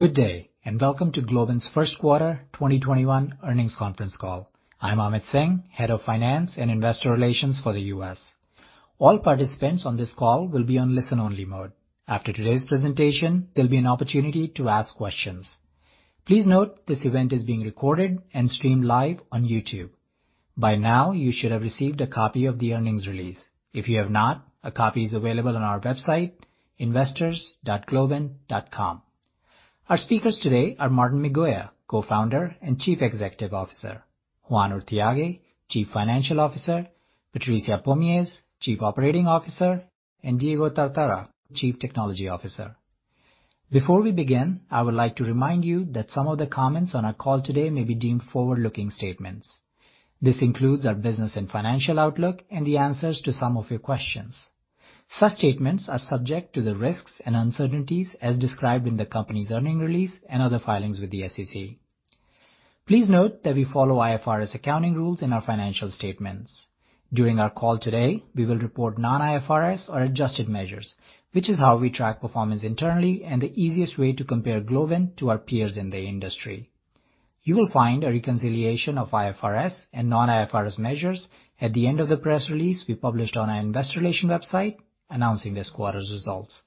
Good day, and welcome to Globant's First Quarter 2021 Earnings Conference Call. I'm Amit Singh, Head of Finance and Investor Relations for the U.S. All participants on this call will be on listen-only mode. After today's presentation, there'll be an opportunity to ask questions. Please note this event is being recorded and streamed live on YouTube. By now, you should have received a copy of the earnings release. If you have not, a copy is available on our website, investors.globant.com. Our speakers today are Martín Migoya, Co-founder and Chief Executive Officer, Juan Urthiague, Chief Financial Officer, Patricia Pomies, Chief Operating Officer, and Diego Tártara, Chief Technology Officer. Before we begin, I would like to remind you that some of the comments on our call today may be deemed forward-looking statements. This includes our business and financial outlook and the answers to some of your questions. Such statements are subject to the risks and uncertainties as described in the company's earning release and other filings with the SEC. Please note that we follow IFRS accounting rules in our financial statements. During our call today, we will report non-IFRS or adjusted measures, which is how we track performance internally and the easiest way to compare Globant to our peers in the industry. You will find a reconciliation of IFRS and non-IFRS measures at the end of the press release we published on our investor relation website announcing this quarter's results.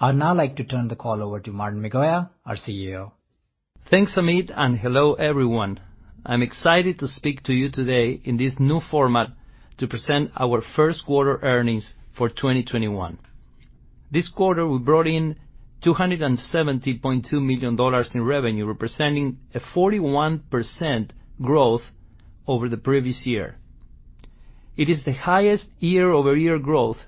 I'd now like to turn the call over to Martín Migoya, our CEO. Thanks, Amit. Hello, everyone. I'm excited to speak to you today in this new format to present our first quarter earnings for 2021. This quarter, we brought in $270.2 million in revenue, representing a 41% growth over the previous year. It is the highest year-over-year growth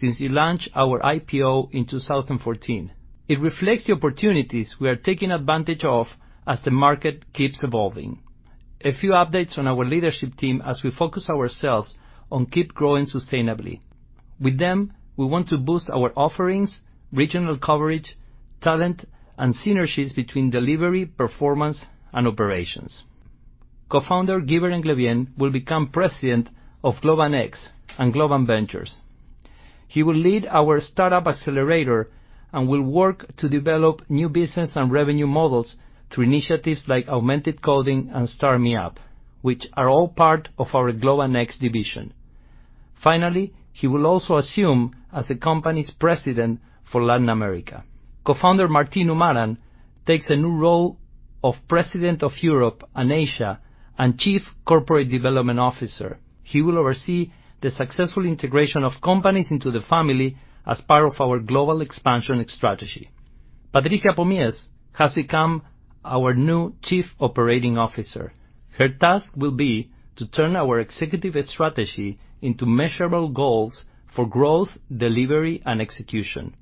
since we launched our IPO in 2014. It reflects the opportunities we are taking advantage of as the market keeps evolving. A few updates on our leadership team as we focus ourselves on keep growing sustainably. With them, we want to boost our offerings, regional coverage, talent, and synergies between delivery, performance, and operations. Co-founder Guibert Englebienne will become President of Globant X and Globant Ventures. He will lead our startup accelerator and will work to develop new business and revenue models through initiatives like Augmented Coding and StartMeUp, which are all part of our Globant X division. Finally, he will also assume as the company's president for Latin America. Co-founder Martín Umarán takes a new role of President of Europe and Asia and Chief Corporate Development Officer. He will oversee the successful integration of companies into the family as part of our global expansion strategy. Patricia Pomies has become our new Chief Operating Officer. Her task will be to turn our executive strategy into measurable goals for growth, delivery, and execution.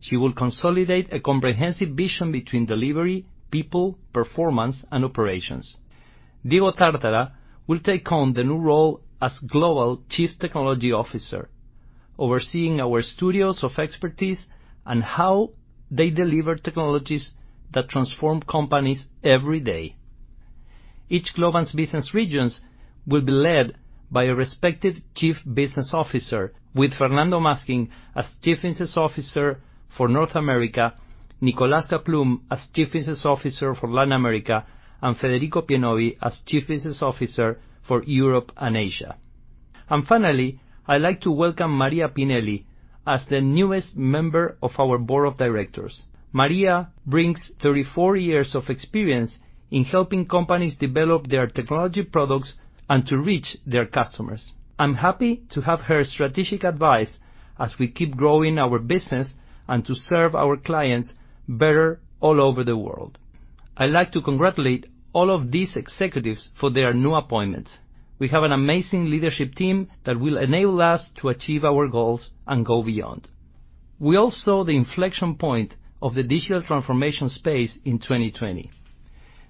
She will consolidate a comprehensive vision between delivery, people, performance, and operations. Diego Tártara will take on the new role as Global Chief Technology Officer, overseeing our studios of expertise and how they deliver technologies that transform companies every day. Each Globant's business regions will be led by a respective Chief Business Officer, with Fernando Matzkin as Chief Business Officer for North America, Nicolás Kaplún as Chief Business Officer for Latin America, and Federico Pienovi as Chief Business Officer for Europe and Asia. Finally, I'd like to welcome Maria Pinelli as the newest member of our Board of Directors. Maria brings 34 years of experience in helping companies develop their technology products and to reach their customers. I'm happy to have her strategic advice as we keep growing our business and to serve our clients better all over the world. I'd like to congratulate all of these executives for their new appointments. We have an amazing leadership team that will enable us to achieve our goals and go beyond. We all saw the inflection point of the digital transformation space in 2020.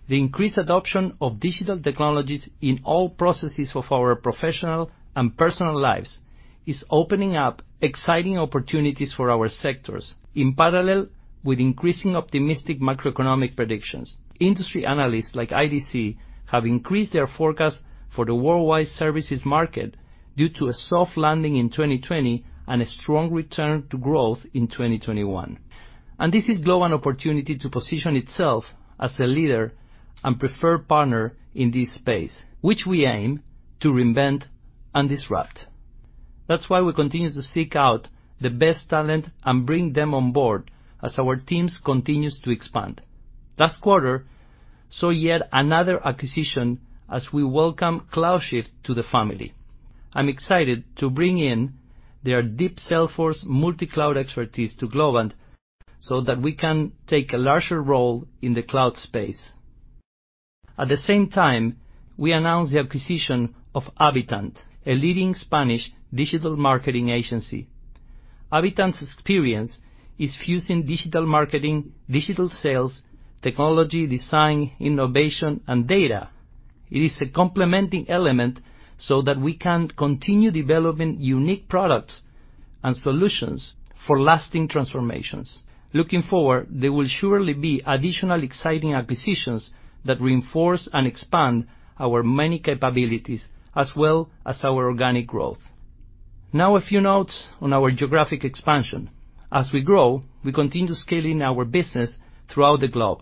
The increased adoption of digital technologies in all processes of our professional and personal lives is opening up exciting opportunities for our sectors. In parallel with increasing optimistic macroeconomic predictions, industry analysts like IDC have increased their forecast for the worldwide services market due to a soft landing in 2020 and a strong return to growth in 2021. This is Globant opportunity to position itself as the leader and preferred partner in this space, which we aim to reinvent and disrupt. That's why we continue to seek out the best talent and bring them on board as our teams continues to expand. Last quarter saw yet another acquisition as we welcome CloudShift to the family. I'm excited to bring in their deep Salesforce multi-cloud expertise to Globant so that we can take a larger role in the cloud space. At the same time, we announced the acquisition of HABITANT, a leading Spanish digital marketing agency. HABITANT's experience is fusing digital marketing, digital sales, technology, design, innovation, and data. It is a complementing element so that we can continue developing unique products and solutions for lasting transformations. Looking forward, there will surely be additional exciting acquisitions that reinforce and expand our many capabilities as well as our organic growth. A few notes on our geographic expansion. As we grow, we continue scaling our business throughout the globe.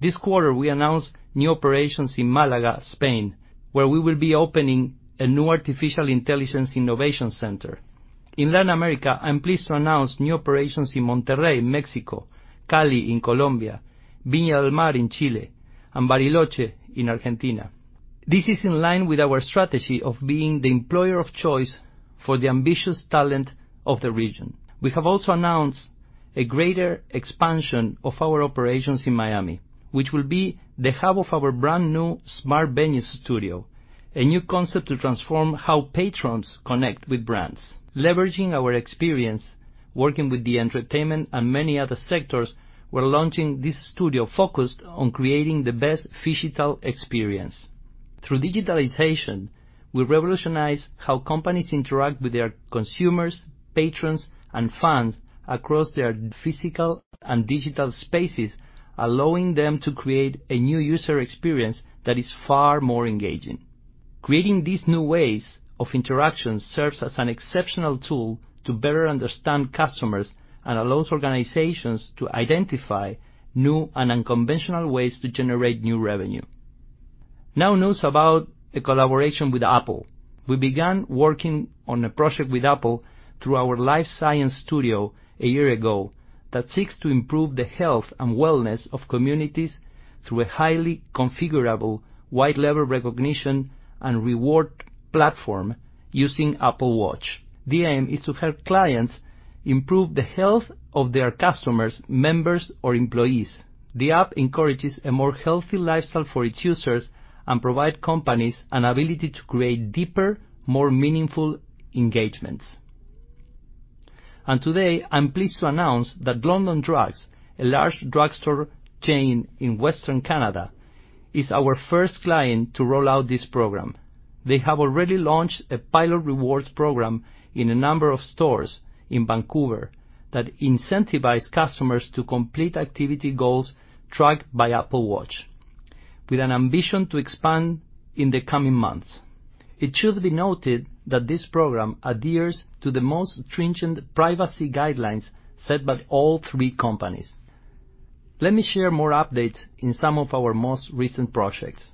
This quarter, we announced new operations in Malaga, Spain, where we will be opening a new artificial intelligence innovation center. In Latin America, I'm pleased to announce new operations in Monterrey, Mexico, Cali in Colombia, Viña del Mar in Chile, and Bariloche in Argentina. This is in line with our strategy of being the employer of choice for the ambitious talent of the region. We have also announced a greater expansion of our operations in Miami, which will be the hub of our brand-new smart venue studio, a new concept to transform how patrons connect with brands. Leveraging our experience, working with the entertainment and many other sectors, we are launching this studio focused on creating the best phygital experience. Through digitalization, we revolutionize how companies interact with their consumers, patrons, and fans across their physical and digital spaces, allowing them to create a new user experience that is far more engaging. Creating these new ways of interaction serves as an exceptional tool to better understand customers and allows organizations to identify new and unconventional ways to generate new revenue. News about a collaboration with Apple. We began working on a project with Apple through our Life Sciences Studio a year ago that seeks to improve the health and wellness of communities through a highly configurable wide level recognition and reward platform using Apple Watch. The aim is to help clients improve the health of their customers, members, or employees. The app encourages a more healthy lifestyle for its users and provide companies an ability to create deeper, more meaningful engagements. Today, I'm pleased to announce that London Drugs, a large drugstore chain in Western Canada, is our first client to roll out this program. They have already launched a pilot rewards program in a number of stores in Vancouver that incentivize customers to complete activity goals tracked by Apple Watch with an ambition to expand in the coming months. It should be noted that this program adheres to the most stringent privacy guidelines set by all three companies. Let me share more updates in some of our most recent projects.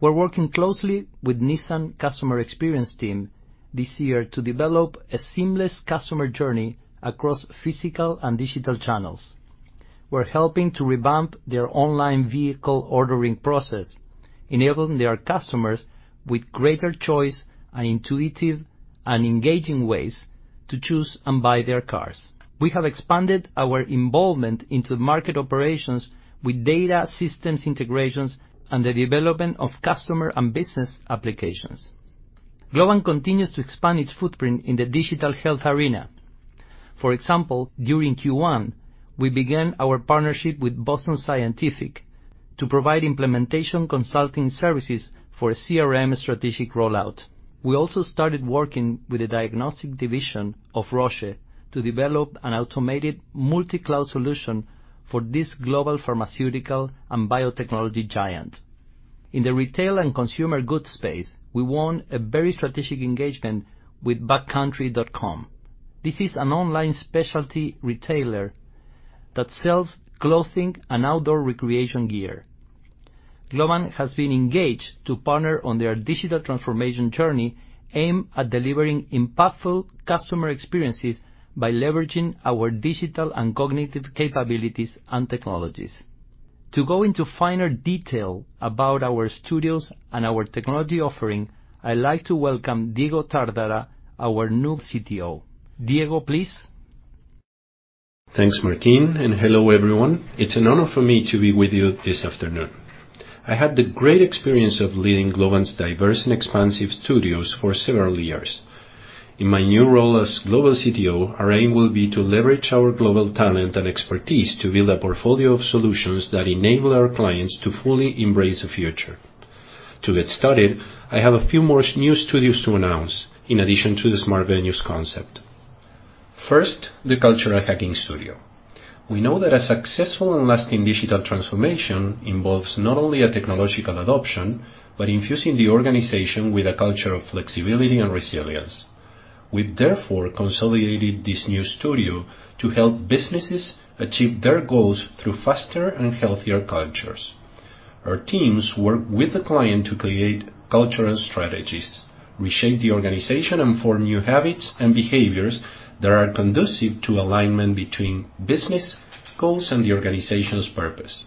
We're working closely with Nissan customer experience team this year to develop a seamless customer journey across physical and digital channels. We're helping to revamp their online vehicle ordering process, enabling their customers with greater choice and intuitive and engaging ways to choose and buy their cars. We have expanded our involvement into market operations with data systems integrations and the development of customer and business applications. Globant continues to expand its footprint in the digital health arena. For example, during Q1, we began our partnership with Boston Scientific to provide implementation consulting services for a CRM strategic rollout. We also started working with the diagnostic division of Roche to develop an automated multi-cloud solution for this global pharmaceutical and biotechnology giant. In the retail and consumer goods space, we won a very strategic engagement with backcountry.com. This is an online specialty retailer that sells clothing and outdoor recreation gear. Globant has been engaged to partner on their digital transformation journey aimed at delivering impactful customer experiences by leveraging our digital and cognitive capabilities and technologies. To go into finer detail about our studios and our technology offering, I'd like to welcome Diego Tártara, our new CTO, Diego, please. Thanks, Martín, and hello, everyone. It's an honor for me to be with you this afternoon. I had the great experience of leading Globant's diverse and expansive studios for several years. In my new role as Global CTO, our aim will be to leverage our global talent and expertise to build a portfolio of solutions that enable our clients to fully embrace the future. To get started, I have a few more new studios to announce in addition to the smart venues concept. First, the Cultural Hacking Studio. We know that a successful and lasting digital transformation involves not only a technological adoption, but infusing the organization with a culture of flexibility and resilience. We've therefore consolidated this new studio to help businesses achieve their goals through faster and healthier cultures. Our teams work with the client to create cultural strategies, reshape the organization, and form new habits and behaviors that are conducive to alignment between business goals and the organization's purpose.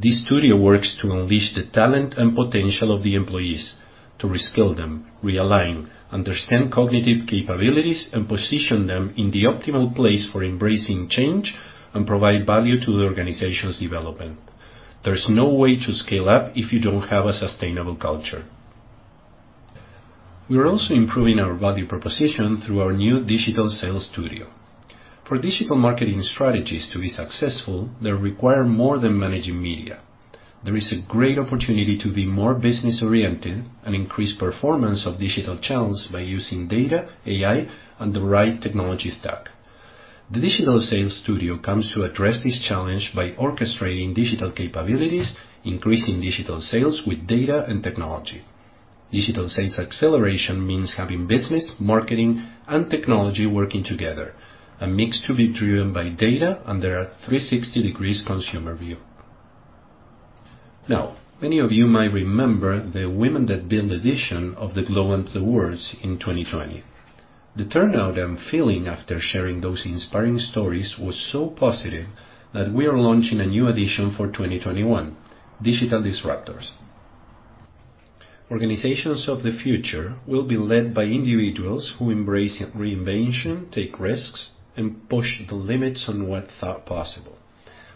This studio works to unleash the talent and potential of the employees to reskill them, realign, understand cognitive capabilities, and position them in the optimal place for embracing change and provide value to the organization's development. There's no way to scale up if you don't have a sustainable culture. We are also improving our value proposition through our new Digital Sales Studio. For digital marketing strategies to be successful, they require more than managing media. There is a great opportunity to be more business-oriented and increase performance of digital channels by using data, AI, and the right technology stack. The Digital Sales Studio comes to address this challenge by orchestrating digital capabilities, increasing digital sales with data and technology. Digital sales acceleration means having business, marketing, and technology working together, a mix to be driven by data under a 360-degree consumer view. Many of you might remember the Women That Build edition of the Globant Awards in 2020. The turnout and feeling after sharing those inspiring stories was so positive that we are launching a new edition for 2021, Digital Disruptors. Organizations of the future will be led by individuals who embrace reinvention, take risks, and push the limits on what's thought possible,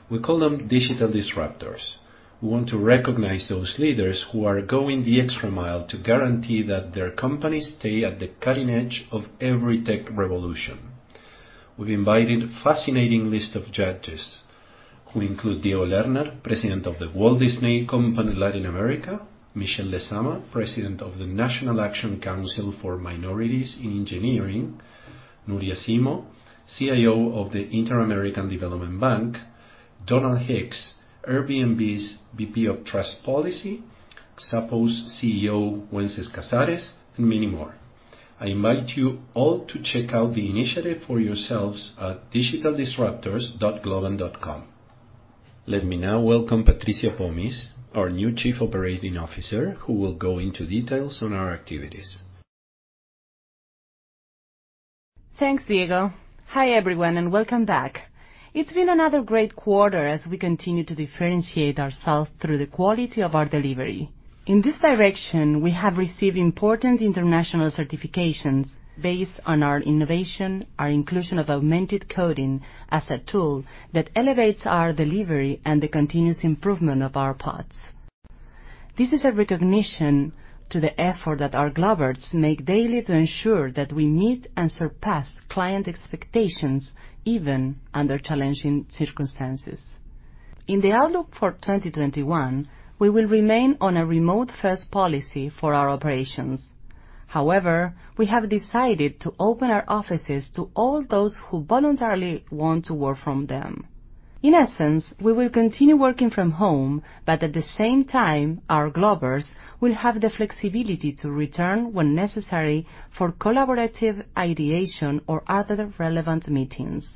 we call them digital disruptors. We want to recognize those leaders who are going the extra mile to guarantee that their companies stay at the cutting edge of every tech revolution. We've invited a fascinating list of judges who include Diego Lerner, President of The Walt Disney Company Latin America, Michele Lezama, President of the National Action Council for Minorities in Engineering, Nuria Simo, CIO of the Inter-American Development Bank, Donald Hicks, Airbnb's VP of Trust Policy, Xapo's CEO Wences Casares, and many more. I invite you all to check out the initiative for yourselves at digitaldisruptors.globant.com. Let me now welcome Patricia Pomies, our new Chief Operating Officer, who will go into details on our activities. Thanks, Diego, hi, everyone, and welcome back. It's been another great quarter as we continue to differentiate ourselves through the quality of our delivery. In this direction, we have received important international certifications based on our innovation, our inclusion of Augmented Coding as a tool that elevates our delivery, and the continuous improvement of our products. This is a recognition to the effort that our Globers make daily to ensure that we meet and surpass client expectations, even under challenging circumstances. In the outlook for 2021, we will remain on a remote-first policy for our operations. We have decided to open our offices to all those who voluntarily want to work from them. We will continue working from home, but at the same time, our Globers will have the flexibility to return when necessary for collaborative ideation or other relevant meetings.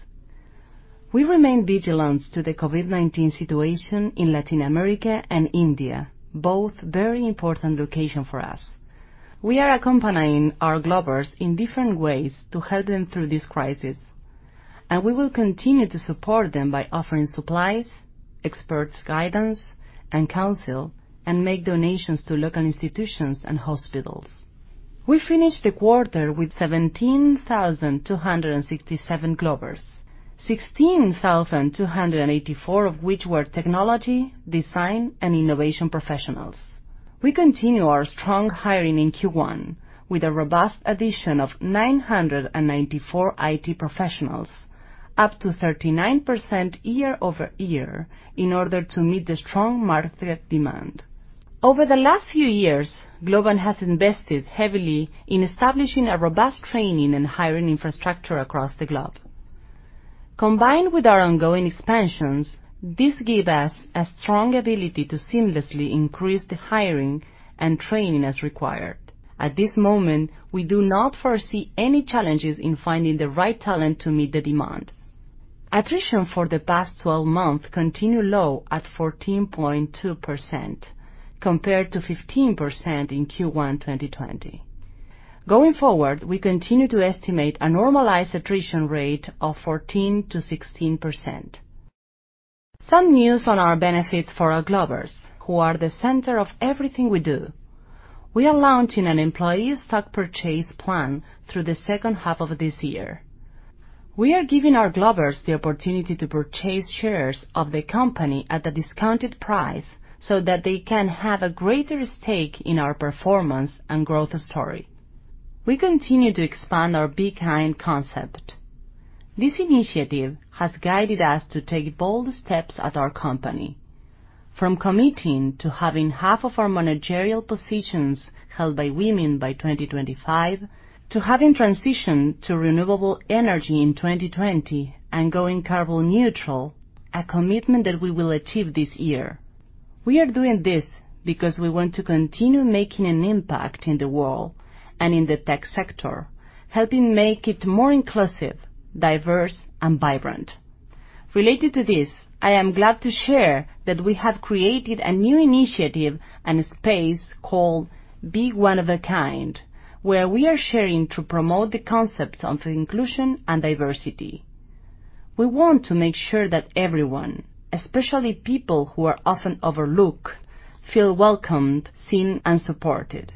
We remain vigilant to the COVID-19 situation in Latin America and India, both very important locations for us. We are accompanying our Globers in different ways to help them through this crisis. We will continue to support them by offering supplies, expert guidance, and counsel, and make donations to local institutions and hospitals. We finished the quarter with 17,267 Globers, 16,284 of which were technology, design, and innovation professionals. We continue our strong hiring in Q1 with a robust addition of 994 IT professionals, up to 39% year-over-year, in order to meet the strong market demand. Over the last few years, Globant has invested heavily in establishing a robust training and hiring infrastructure across the globe. Combined with our ongoing expansions, this gives us a strong ability to seamlessly increase the hiring and training as required. At this moment, we do not foresee any challenges in finding the right talent to meet the demand. Attrition for the past 12 months continued low at 14.2%, compared to 15% in Q1 2020. Going forward, we continue to estimate a normalized attrition rate of 14%-16%. Some news on our benefits for our Globers who are the center of everything we do. We are launching an employee stock purchase plan through the second half of this year. We are giving our Globers the opportunity to purchase shares of the company at a discounted price so that they can have a greater stake in our performance and growth story. We continue to expand our Be Kind concept. This initiative has guided us to take bold steps at our company. From committing to having half of our managerial positions held by women by 2025, to having transitioned to renewable energy in 2020 and going carbon neutral, a commitment that we will achieve this year. We are doing this because we want to continue making an impact in the world and in the tech sector, helping make it more inclusive, diverse, and vibrant. Related to this, I am glad to share that we have created a new initiative and a space called Be One of a Kind, where we are sharing to promote the concepts of inclusion and diversity. We want to make sure that everyone, especially people who are often overlooked, feel welcomed, seen, and supported.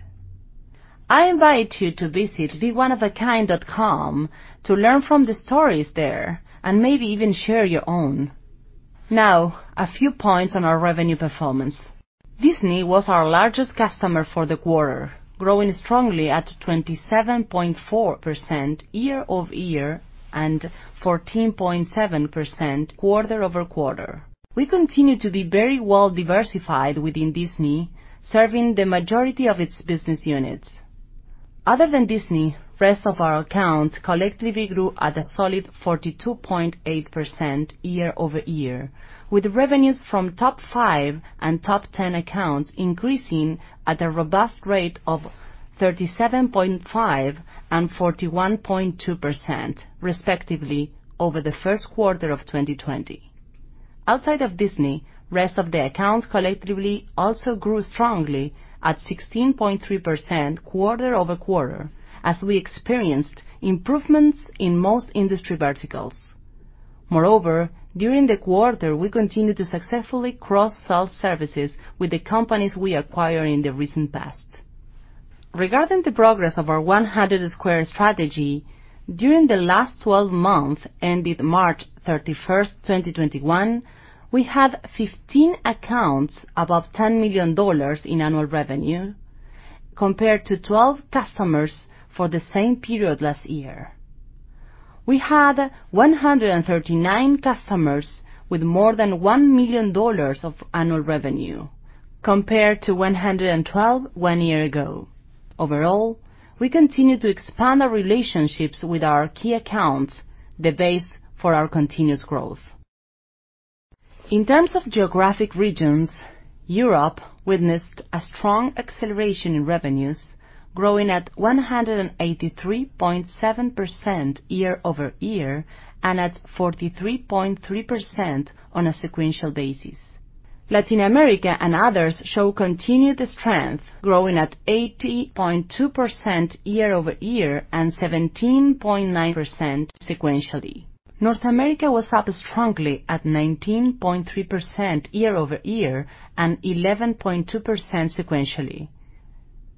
I invite you to visit beoneofakind.com to learn from the stories there and maybe even share your own. A few points on our revenue performance. Disney was our largest customer for the quarter, growing strongly at 27.4% year-over-year and 14.7% quarter-over-quarter. We continue to be very well diversified within Disney, serving the majority of its business units. Other than Disney, rest of our accounts collectively grew at a solid 42.8% year-over-year, with revenues from top five and top 10 accounts increasing at a robust rate of 37.5% and 41.2%, respectively, over the first quarter of 2020. Outside of Disney, rest of the accounts collectively also grew strongly at 16.3% quarter-over-quarter, as we experienced improvements in most industry verticals. Moreover, during the quarter, we continued to successfully cross-sell services with the companies we acquired in the recent past. Regarding the progress of our 100 Squared strategy, during the last 12 months ended March 31st, 2021, we had 15 accounts above $10 million in annual revenue compared to 12 customers for the same period last year. We had 139 customers with more than $1 million of annual revenue, compared to 112 one year ago. Overall, we continue to expand our relationships with our key accounts, the base for our continuous growth. In terms of geographic regions, Europe witnessed a strong acceleration in revenues, growing at 183.7% year-over-year and at 43.3% on a sequential basis. Latin America and others show continued strength, growing at 80.2% year-over-year and 17.9% sequentially. North America was up strongly at 19.3% year-over-year and 11.2% sequentially.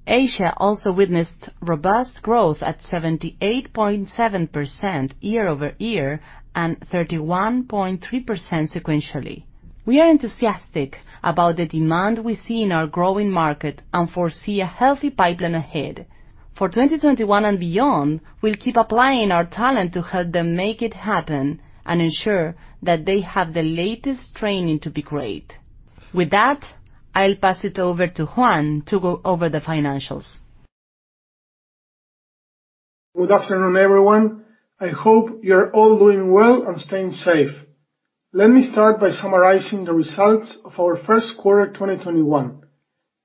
Asia also witnessed robust growth at 78.7% year-over-year and 31.3% sequentially. We are enthusiastic about the demand we see in our growing market and foresee a healthy pipeline ahead. For 2021 and beyond, we'll keep applying our talent to help them make it happen and ensure that they have the latest training to be great. With that, I'll pass it over to Juan to go over the financials. Good afternoon, everyone. I hope you're all doing well and staying safe. Let me start by summarizing the results of our first quarter 2021.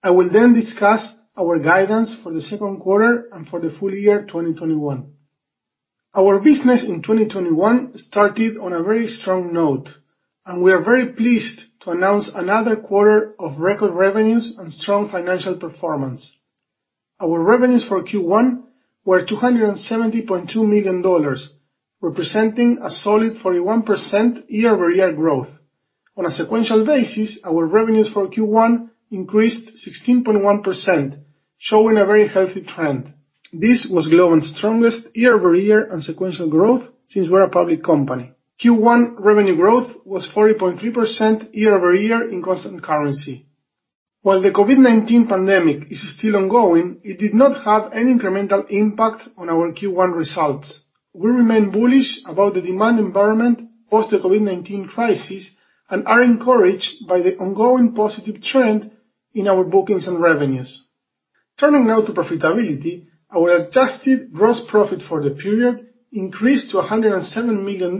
I will then discuss our guidance for the second quarter and for the full year 2021. Our business in 2021 started on a very strong note, and we are very pleased to announce another quarter of record revenues and strong financial performance. Our revenues for Q1 were $270.2 million, representing a solid 41% year-over-year growth. On a sequential basis, our revenues for Q1 increased 16.1%, showing a very healthy trend. This was Globant's strongest year-over-year and sequential growth since we were a public company. Q1 revenue growth was 40.3% year-over-year in constant currency. While the COVID-19 pandemic is still ongoing, it did not have any incremental impact on our Q1 results. We remain bullish about the demand environment post the COVID-19 crisis and are encouraged by the ongoing positive trend in our bookings and revenues. Turning now to profitability, our adjusted gross profit for the period increased to $107 million,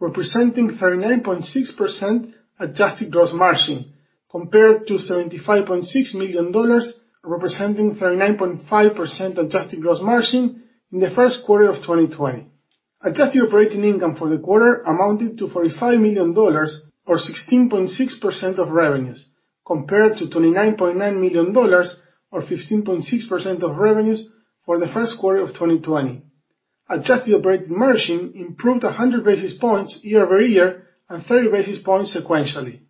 representing 39.6% adjusted gross margin, compared to $75.6 million, representing 39.5% adjusted gross margin in the first quarter of 2020. Adjusted operating income for the quarter amounted to $45 million, or 16.6% of revenues, compared to $29.9 million, or 15.6% of revenues for the first quarter of 2020. Adjusted operating margin improved 100 basis points year-over-year and 30 basis points sequentially.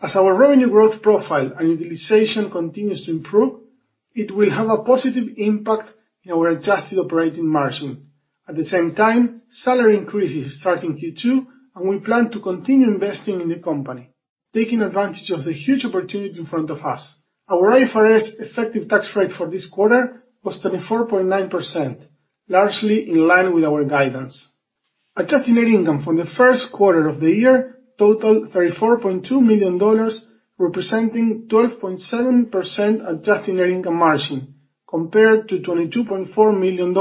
As our revenue growth profile and utilization continues to improve, it will have a positive impact in our adjusted operating margin. At the same time, salary increases start in Q2, and we plan to continue investing in the company, taking advantage of the huge opportunity in front of us. Our IFRS effective tax rate for this quarter was 24.9%, largely in line with our guidance. Adjusted net income from the first quarter of the year totaled $34.2 million, representing 12.7% adjusted net income margin, compared to $22.4 million,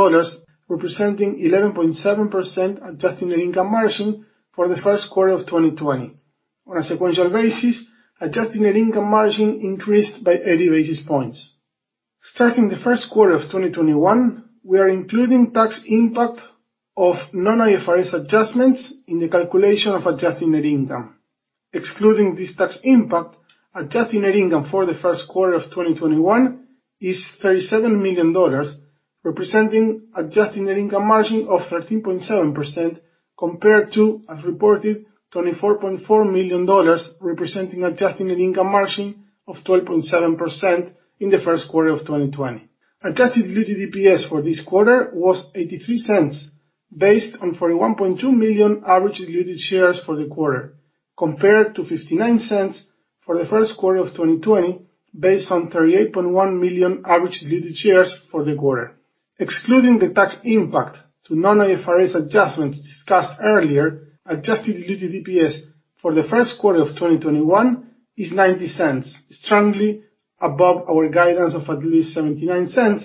representing 11.7% adjusted net income margin for the first quarter of 2020. On a sequential basis, adjusted net income margin increased by 80 basis points. Starting the first quarter of 2021, we are including tax impact of non-IFRS adjustments in the calculation of adjusted net income. Excluding this tax impact, adjusted net income for the first quarter of 2021 is $37 million, representing adjusted net income margin of 13.7%, compared to, as reported, $24.4 million, representing adjusted net income margin of 12.7% in the first quarter of 2020. Adjusted diluted EPS for this quarter was $0.83, based on 41.2 million average diluted shares for the quarter, compared to $0.59 for the first quarter of 2020, based on 38.1 million average diluted shares for the quarter. Excluding the tax impact to non-IFRS adjustments discussed earlier, adjusted diluted EPS for the first quarter of 2021 is $0.90, strongly above our guidance of at least $0.79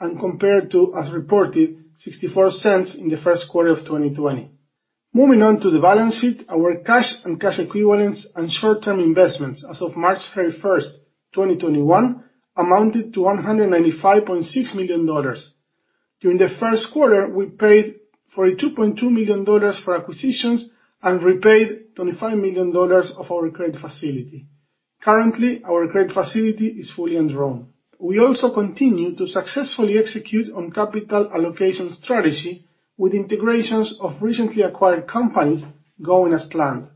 and compared to, as reported, $0.64 in the first quarter of 2020. Moving on to the balance sheet, our cash and cash equivalents and short-term investments as of March 31st, 2021, amounted to $195.6 million. During the first quarter, we paid $42.2 million for acquisitions and repaid $25 million of our credit facility. Currently, our credit facility is fully undrawn. We also continue to successfully execute on capital allocation strategy with integrations of recently acquired companies going as planned.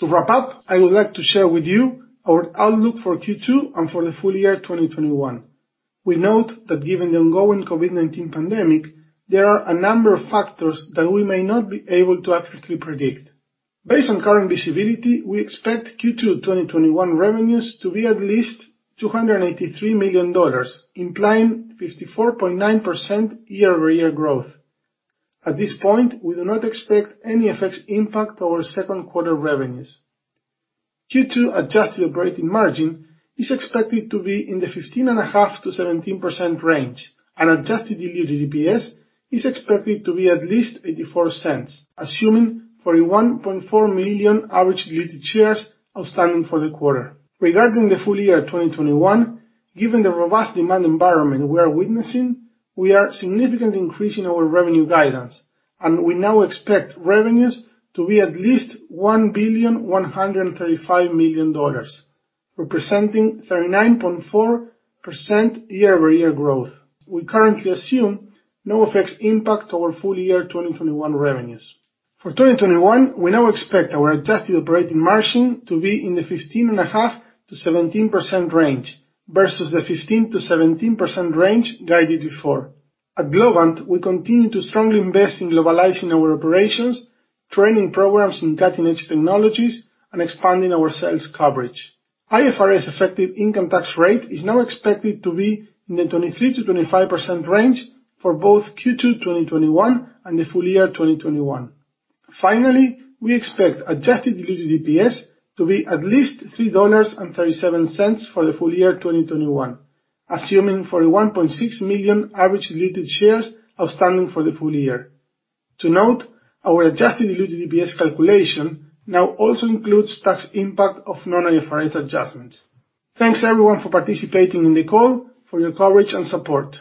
To wrap up, I would like to share with you our outlook for Q2 and for the full year 2021. We note that given the ongoing COVID-19 pandemic, there are a number of factors that we may not be able to accurately predict. Based on current visibility, we expect Q2 2021 revenues to be at least $283 million, implying 54.9% year-over-year growth. At this point, we do not expect any effects impact our second quarter revenues. Q2 adjusted operating margin is expected to be in the 15.5%-17% range, and adjusted diluted EPS is expected to be at least $0.84, assuming 41.4 million average diluted shares outstanding for the quarter. Regarding the full year 2021, given the robust demand environment we are witnessing, we are significantly increasing our revenue guidance, and we now expect revenues to be at least $1,135 billion representing 39.4% year-over-year growth. We currently assume no effects impact our full year 2021 revenues. For 2021, we now expect our adjusted operating margin to be in the 15.5%-17% range versus the 15%-17% range guided before. At Globant, we continue to strongly invest in globalizing our operations, training programs in cutting-edge technologies, and expanding our sales coverage. IFRS effective income tax rate is now expected to be in the 23%-25% range for both Q2 2021 and the full year 2021. Finally, we expect adjusted diluted EPS to be at least $3.37 for the full year 2021, assuming 41.6 million average diluted shares outstanding for the full year. To note, our adjusted diluted EPS calculation now also includes tax impact of non-IFRS adjustments. Thanks, everyone, for participating in the call, for your coverage and support.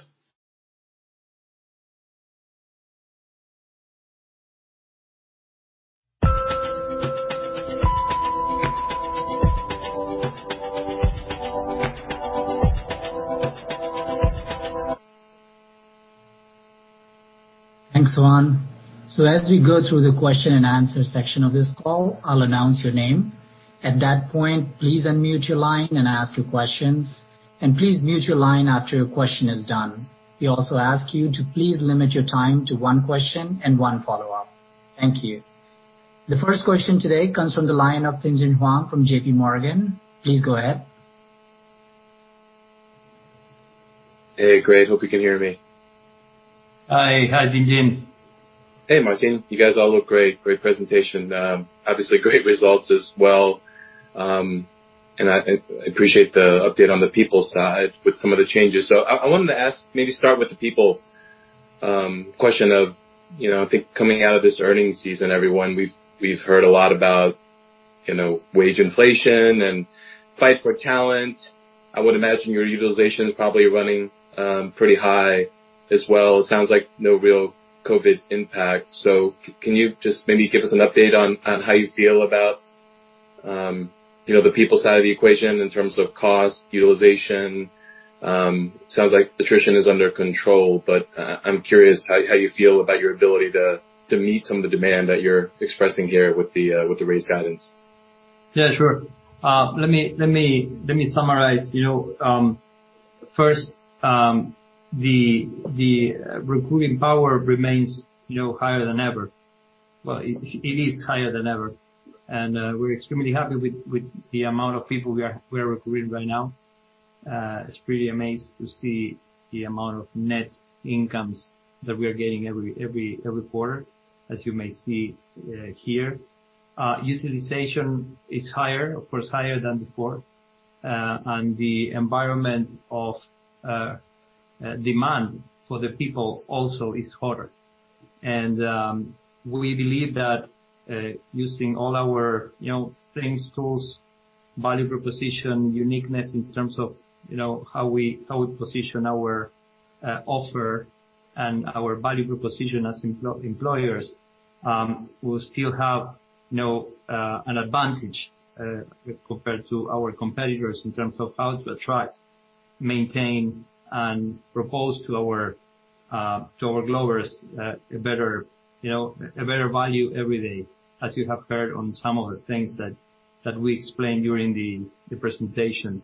Thanks, Juan. As we go through the question and answer section of this call, I'll announce your name. At that point, please unmute your line and ask your questions. Please mute your line after your question is done. We also ask you to please limit your time to one question and one follow-up. Thank you. The first question today comes from the line of Tien-Tsin Huang from J.P. Morgan, please go ahead. Hey, great, hope you can hear me. Hi, hi, Tien-Tsin. Hey, Martín, you guys all look great. Great presentation, obviously great results as well. I appreciate the update on the people side with some of the changes. I wanted to ask, maybe start with the people question of, you know, I think coming out of this earnings season, everyone, we've heard a lot about, you know, wage inflation and fight for talent. I would imagine your utilization is probably running pretty high as well. It sounds like no real COVID impact. Can you just maybe give us an update on how you feel about, you know, the people side of the equation in terms of cost, utilization? It sounds like attrition is under control, but I'm curious how you feel about your ability to meet some of the demand that you're expressing here with the raised guidance. Yeah, sure, let me summarize. You know, first, the recruiting power remains, you know, higher than ever. Well, it is higher than ever. We're extremely happy with the amount of people we're recruiting right now. It's pretty amazed to see the amount of net incomes that we are getting every quarter, as you may see, here. Utilization is higher, of course, higher than before. The environment of demand for the people also is hotter. We believe that, using all our, you know, things, tools, value proposition, uniqueness in terms of, you know, how we, how we position our offer and our value proposition as employers, we still have, you know, an advantage, compared to our competitors in terms of how to attract, maintain, and propose to our, to our Globers, a better, you know, a better value every day, as you have heard on some of the things that we explained during the presentation.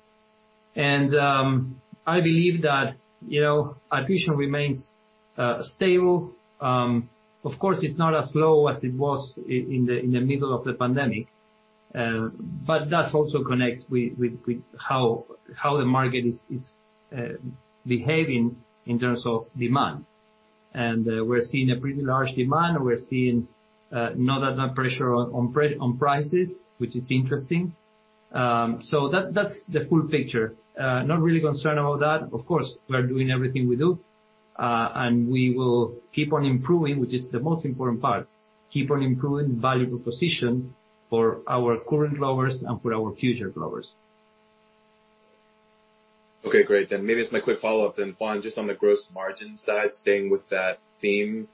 I believe that, you know, attrition remains stable. Of course, it's not as low as it was in the middle of the pandemic. That also connects with how the market is behaving in terms of demand. We're seeing a pretty large demand, and we're seeing not that much pressure on prices, which is interesting. That's the full picture, not really concerned about that. Of course, we are doing everything we do, and we will keep on improving, which is the most important part, keep on improving valuable position for our current Globers and for our future Globers. Okay, great, maybe as my quick follow-up then, Juan, just on the gross margin side, staying with that theme,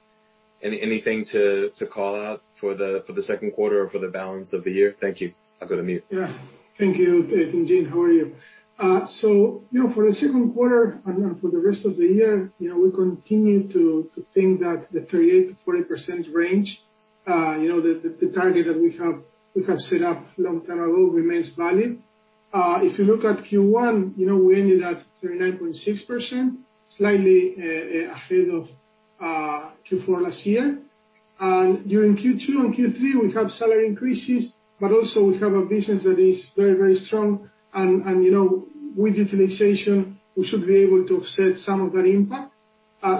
anything to call out for the second quarter or for the balance of the year? Thank you, I'll go to mute. Yeah, thank you, Tien-Tsin. How are you? For the second quarter and for the rest of the year, we continue to think that the 38%-40% range, the target that we have set up long time ago remains valid. If you look at Q1, we ended at 39.6%, slightly ahead of Q4 last year. During Q2 and Q3, we have salary increases, but also, we have a business that is very strong. With utilization, we should be able to offset some of that impact. I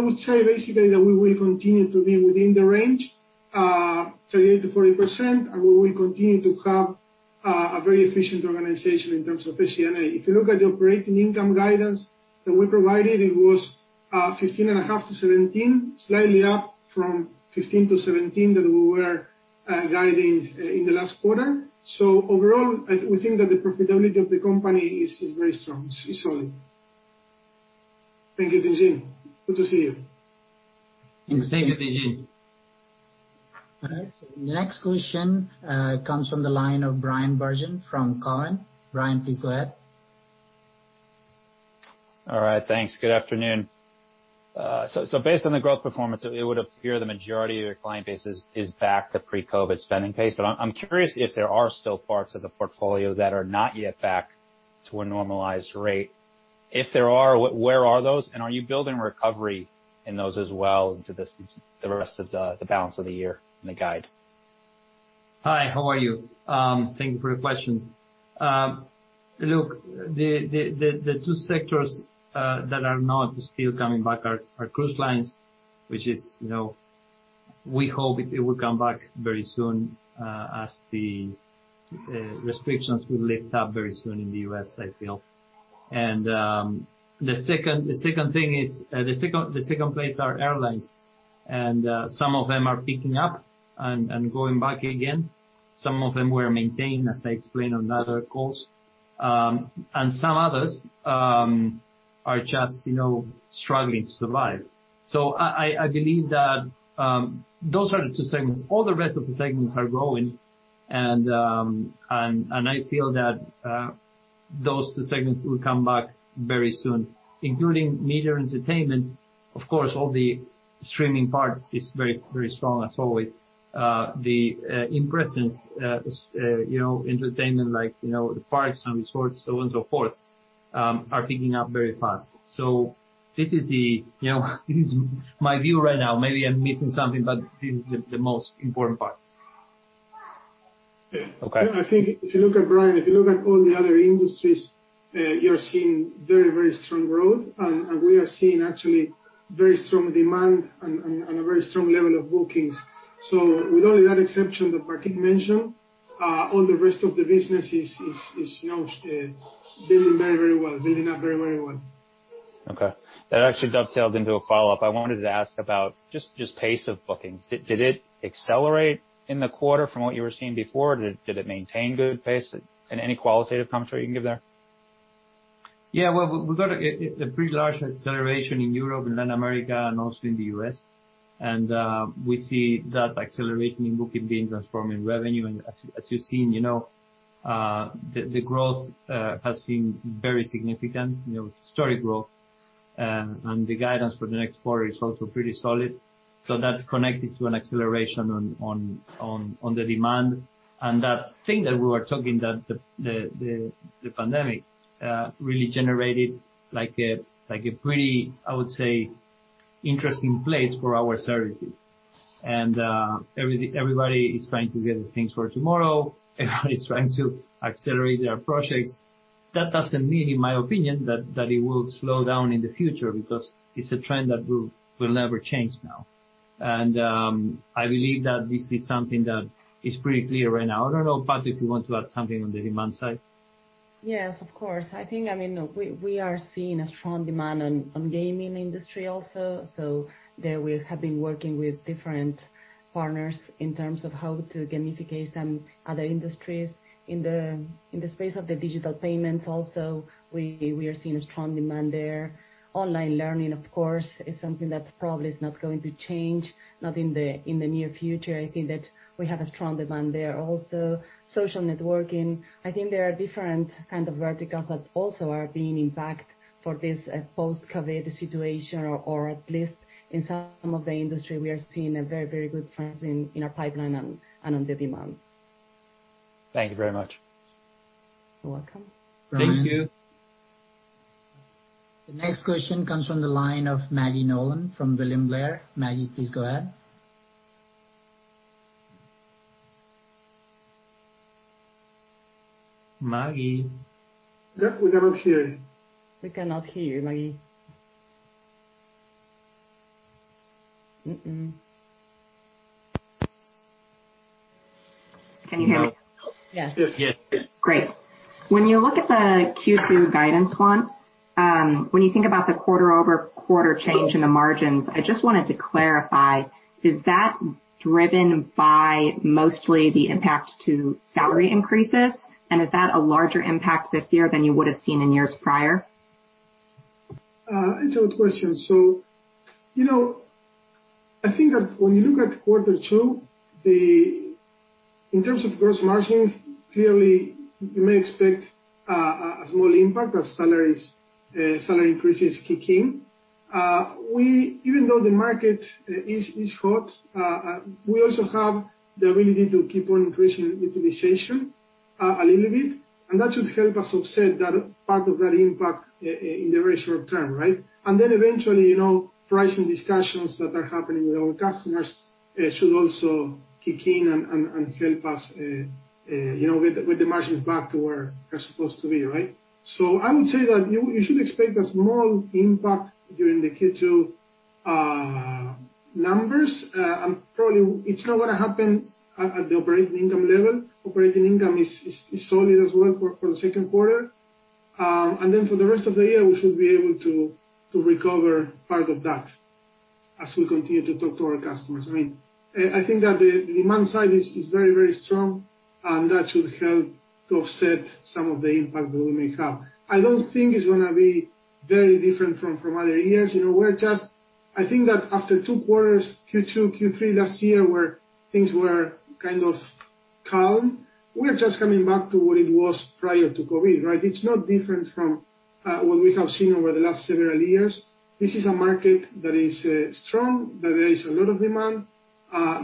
would say basically that we will continue to be within the range, 38%-40%, and we will continue to have a very efficient organization in terms of SG&A. If you look at the operating income guidance that we provided, it was 15.5%-17%, slightly up from 15%-17% that we were guiding in the last quarter. Overall, I think that the profitability of the company is very strong, it's solid. Thank you, Tien-Tsin, good to see you. Thanks, thank you, Tien-Tsin. All right, the next question comes from the line of Bryan Bergin from TD Cowen. Bryan, please go ahead. All right, thanks, good afternoon. Based on the growth performance, it would appear the majority of your client base is back to pre-COVID spending pace. I'm curious if there are still parts of the portfolio that are not yet back to a normalized rate. If there are, where are those, and are you building recovery in those as well into the rest of the balance of the year in the guide? Hi, how are you? Thank you for your question. Look, the two sectors that are not still coming back are cruise lines, which is, we hope it will come back very soon, as the restrictions will lift up very soon in the U.S., I feel. The second place are airlines. Some of them are picking up and going back again. Some of them were maintained, as I explained on the other calls. Some others are just struggling to survive. I believe that those are the two segments. All the rest of the segments are growing, and I feel that those two segments will come back very soon, including media and entertainment. Of course, all the streaming part is very, very strong as always. The in-presence entertainment like the parks and resorts, so on and so forth, are picking up very fast. This is my view right now. Maybe I'm missing something, but this is the most important part. Okay. I think, Bryan, if you look at all the other industries, you're seeing very, very strong growth. We are seeing actually very strong demand and a very strong level of bookings. With only that exception that Martín mentioned, all the rest of the business is building up very, very well. Okay, that actually dovetailed into a follow-up. I wanted to ask about just pace of bookings. Did it accelerate in the quarter from what you were seeing before? Did it maintain good pace? Any qualitative commentary you can give there? Yeah, well, we got a pretty large acceleration in Europe and Latin America and also in the U.S. We see that acceleration in booking being transformed in revenue. As you've seen, the growth has been very significant, steady growth. The guidance for the next quarter is also pretty solid. That's connected to an acceleration on the demand. That thing that we were talking, that the pandemic really generated a pretty, I would say, interesting place for our services. Everybody is trying to get things for tomorrow. Everybody's trying to accelerate their projects. That doesn't mean, in my opinion, that it will slow down in the future, because it's a trend that will never change now. I believe that this is something that is pretty clear right now. I don't know, Patri, if you want to add something on the demand side. Yes, of course. I think, we are seeing a strong demand on gaming industry also. There we have been working with different partners in terms of how to gamification other industries. In the space of the digital payments also, we are seeing a strong demand there. Online learning, of course, is something that probably is not going to change, not in the near future. I think that we have a strong demand there. Also, social networking. I think there are different kind of verticals that also are being impacted for this post-COVID situation or at least in some of the industry, we are seeing a very, very good trends in our pipeline and on the demands. Thank you very much. You're welcome. Thank you. The next question comes from the line of Maggie Nolan from William Blair. Maggie, please go ahead. Maggie? Yeah, we cannot hear you. We cannot hear you, Maggie. Can you hear me? Yes. Yes. Great, when you look at the Q2 guidance, Juan, when you think about the quarter-over-quarter change in the margins, I just wanted to clarify, is that driven by mostly the impact to salary increases? Is that a larger impact this year than you would've seen in years prior? It's a good question. I think that when you look at quarter two, in terms of gross margin, clearly you may expect a small impact as salary increases kick in. Even though the market is hot, we also have the ability to keep on increasing utilization a little bit, and that should help us offset that part of that impact in the very short term, right? Eventually, pricing discussions that are happening with our customers should also kick in and help us with the margins back to where they're supposed to be, right? I would say that you should expect a small impact during the Q2 numbers. Probably it's not going to happen at the operating income level. Operating income is solid as well for the second quarter. Then for the rest of the year, we should be able to recover part of that as we continue to talk to our customers. I think that the demand side is very strong, and that should help to offset some of the impact that we may have. I don't think it's gonna be very different from other years. I think that after two quarters, Q2, Q3 last year, where things were kind of calm, we're just coming back to what it was prior to COVID, right? It's not different from what we have seen over the last several years. This is a market that is strong, that there is a lot of demand.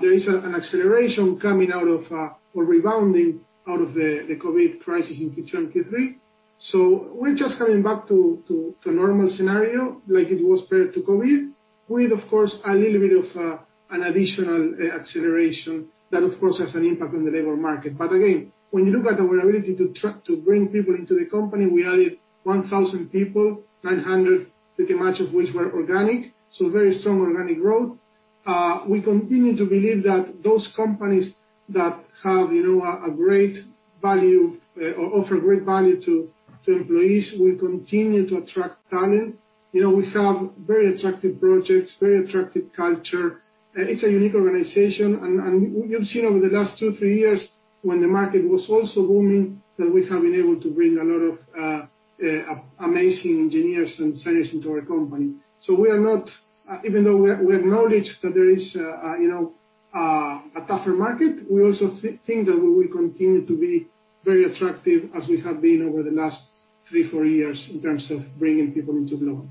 There is an acceleration coming out of, or rebounding out of the COVID crisis in Q2 and Q3. We're just coming back to normal scenario like it was prior to COVID-19, with, of course, a little bit of an additional acceleration that, of course, has an impact on the labor market. When you look at our ability to bring people into the company, we added 1,000 people, 950 much of which were organic, so very strong organic growth. We continue to believe that those companies that offer great value to employees will continue to attract talent. We have very attractive projects, very attractive culture. It's a unique organization and you've seen over the last two, three years when the market was also booming, that we have been able to bring a lot of amazing engineers and scientists into our company. Even though we acknowledge that there is a tougher market, we also think that we will continue to be very attractive as we have been over the last three, four years in terms of bringing people into Globant.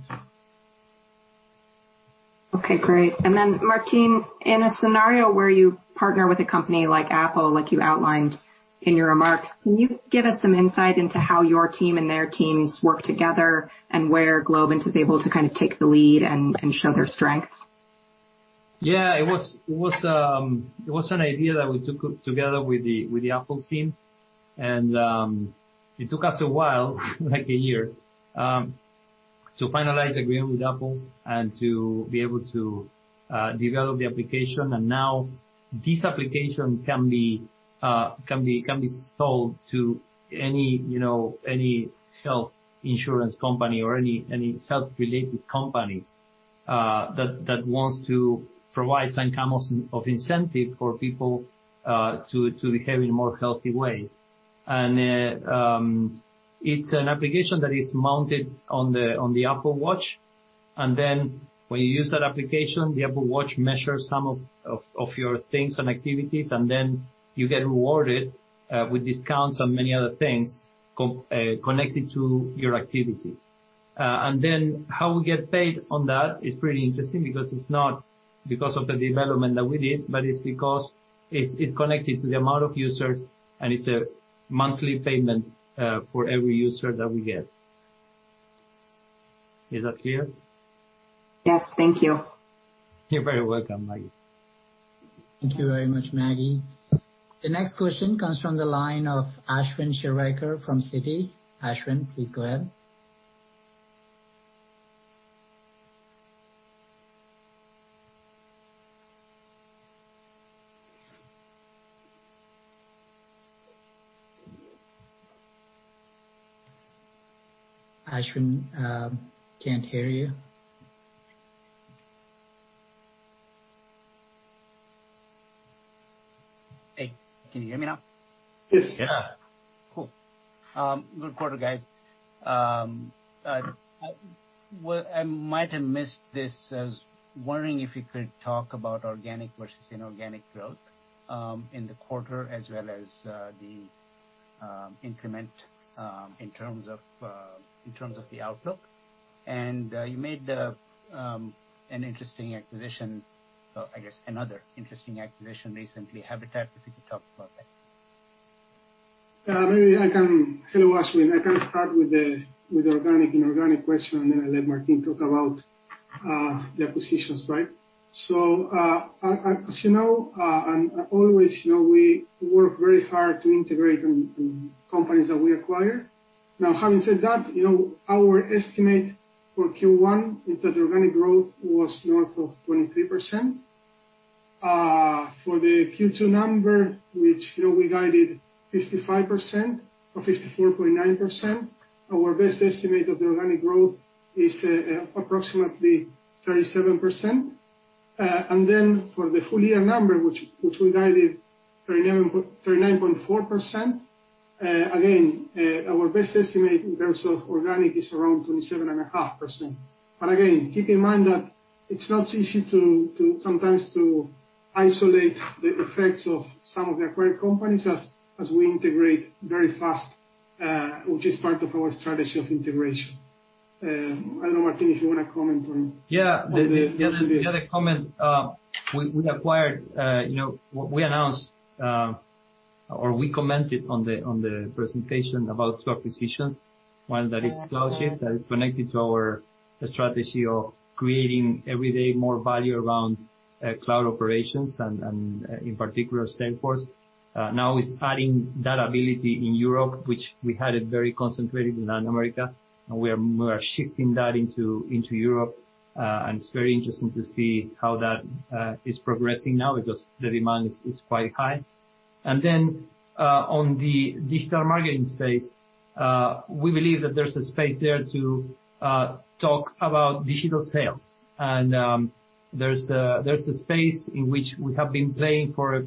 Okay, great, Martín, in a scenario where you partner with a company like Apple, like you outlined in your remarks, can you give us some insight into how your team and their teams work together, and where Globant is able to kind of take the lead and show their strengths? Yeah, it was an idea that we took together with the Apple team. It took us a while, like a year, to finalize agreement with Apple and to be able to develop the application. Now this application can be sold to any health insurance company or any health-related company that wants to provide some kind of incentive for people to behave in more healthy ways. It's an application that is mounted on the Apple Watch, and then when you use that application, the Apple Watch measures some of your things and activities, and then you get rewarded with discounts on many other things connected to your activity. How we get paid on that is pretty interesting because it's not because of the development that we did, but it's because it's connected to the amount of users, and it's a monthly payment for every user that we get. Is that clear? Yes, thank you. You're very welcome, Maggie. Thank you very much, Maggie. The next question comes from the line of Ashwin Shirvaikar from Citi. Ashwin, please go ahead. Ashwin, can't hear you. Hey, can you hear me now? Yes. Yeah. Cool, good quarter, guys. I might have missed this. I was wondering if you could talk about organic versus inorganic growth in the quarter as well as the increment in terms of the outlook. You made an interesting acquisition, or I guess, another interesting acquisition recently, HABITANT, if you could talk about that. Hello, Ashwin, I can start with the organic, inorganic question, and then I let Martín talk about the acquisitions. As you know, always we work very hard to integrate companies that we acquire. Now, having said that, our estimate for Q1 is that the organic growth was north of 23%. For the Q2 number, which we guided 55% or 54.9%, our best estimate of the organic growth is approximately 37%. For the full year number, which we guided 39.4%, again, our best estimate in terms of organic is around 27.5%. Again, keep in mind that it's not easy sometimes to isolate the effects of some of the acquired companies as we integrate very fast, which is part of our strategy of integration. I don't know, Martín, if you want to comment on this. Yeah, the other comment, we announced or we commented on the presentation about two acquisitions. One that is CloudShift, that is connected to our strategy of creating every day more value around cloud operations and, in particular, Salesforce. Now it's adding that ability in Europe, which we had it very concentrated in Latin America, and we are more shifting that into Europe. It's very interesting to see how that is progressing now because the demand is quite high. Then, on the digital marketing space, we believe that there's a space there to talk about digital sales. There's a space in which we have been playing for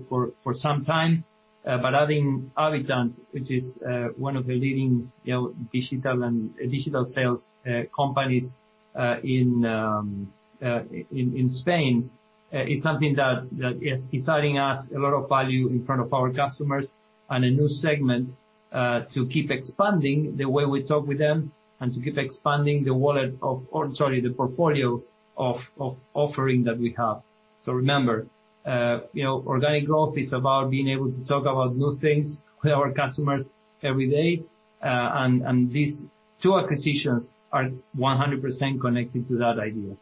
some time. Adding HABITANT, which is one of the leading digital sales companies in Spain is something that is deciding us a lot of value in front of our customers and a new segment; to keep expanding the way we talk with them and to keep expanding the portfolio of offering that we have. Remember, organic growth is about being able to talk about new things with our customers every day. These two acquisitions are 100% connected to that idea.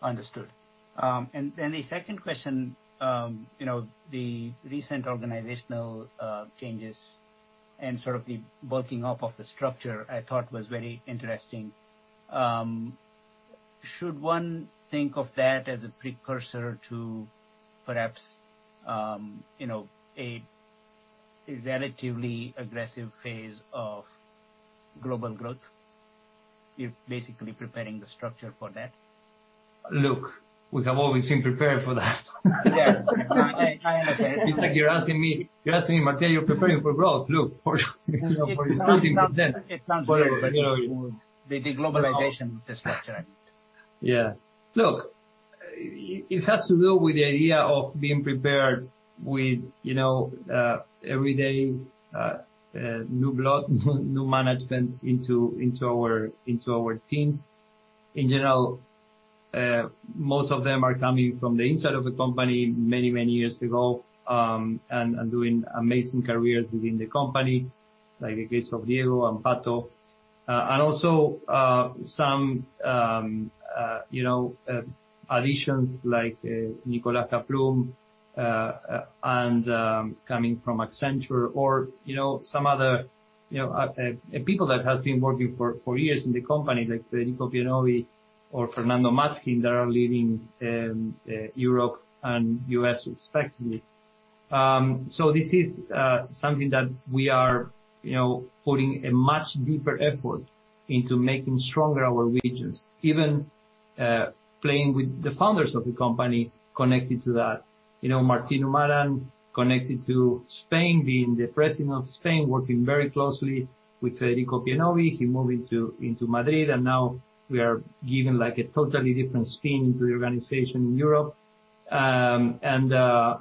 Understood, the second question, the recent organizational changes and sort of the bulking up of the structure, I thought was very interesting. Should one think of that as a precursor to perhaps a relatively aggressive phase of global growth? You're basically preparing the structure for that. Look, we have always been prepared for that. Yeah, I understand. It's like you're asking me, "Martín, are you preparing for growth?" Look, for 15%. It sounds very much more with the globalization structure. Look, it has to do with the idea of being prepared with everyday new blood, new management into our teams. In general, most of them are coming from the inside of the company many years ago, and doing amazing careers within the company. Like the case of Diego and Pato. Also, some additions like Nicolás Kaplún, coming from Accenture or some other people that has been working for years in the company like Federico Pienovi or Fernando Matzkin that are leading Europe and U.S. respectively. This is something that we are putting a much deeper effort into making stronger our regions. Even playing with the founders of the company connected to that. Martín Umarán connected to Spain, being the president of Spain, working very closely with Federico Pienovi. He moved into Madrid. Now we are giving like a totally different spin to the organization in Europe. Guibert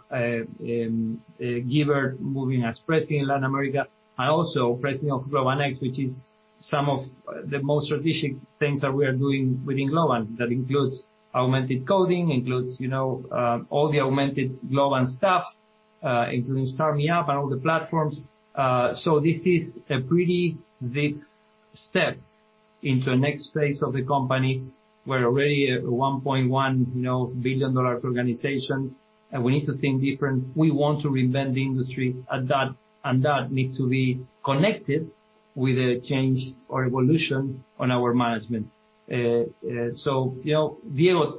moving as President Latin America, and also President of Globant X, which is some of the most strategic things that we are doing within Globant. That includes Augmented Coding, includes all the Augmented Coding stuff, including StartMeUp and all the platforms. This is a pretty big step into a next phase of the company. We're already a $1.1 billion organization, and we need to think different. We want to reinvent the industry, and that needs to be connected with a change or evolution on our management. Diego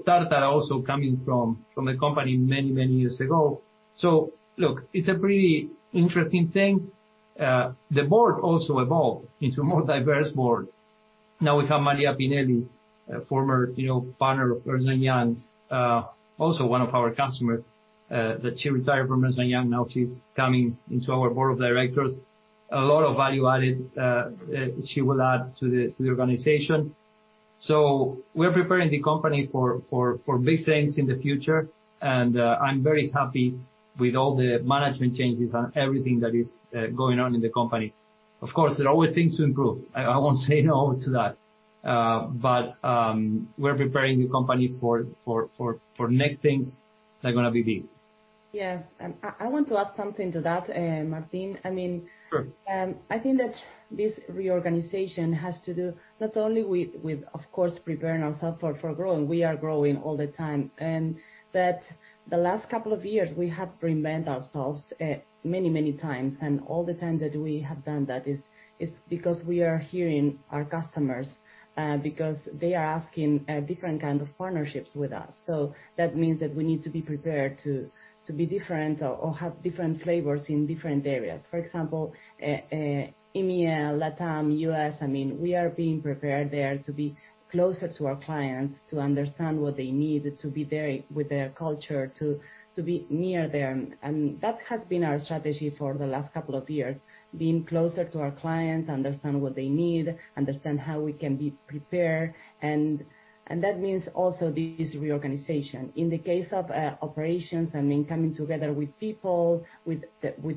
Tártara also coming from the company many years ago. Look, it's a pretty interesting thing. The board also evolved into a more diverse board. Now we have Maria Pinelli, former partner of Ernst & Young. Also, one of our customers, that she retired from Ernst & Young. Now she's coming into our board of directors. A lot of value added she will add to the organization. We're preparing the company for big things in the future. I'm very happy with all the management changes and everything that is going on in the company. Of course, there are always things to improve. I won't say no to that. We're preparing the company for next things that are going to be big. Yes, I want to add something to that, Martín. Sure. I think that this reorganization has to do not only with, of course, preparing ourselves for growing. We are growing all the time, and that the last couple of years, we have reinvent ourselves many times. All the times that we have done that is because we are hearing our customers, because they are asking different kind of partnerships with us. That means that we need to be prepared to be different or have different flavors in different areas. For example, EMEA, LatAm, U.S., we are being prepared there to be closer to our clients, to understand what they need, to be there with their culture, to be near them. That has been our strategy for the last couple of years, being closer to our clients, understand what they need, understand how we can be prepared, that means also this reorganization. In the case of operations and in coming together with people, with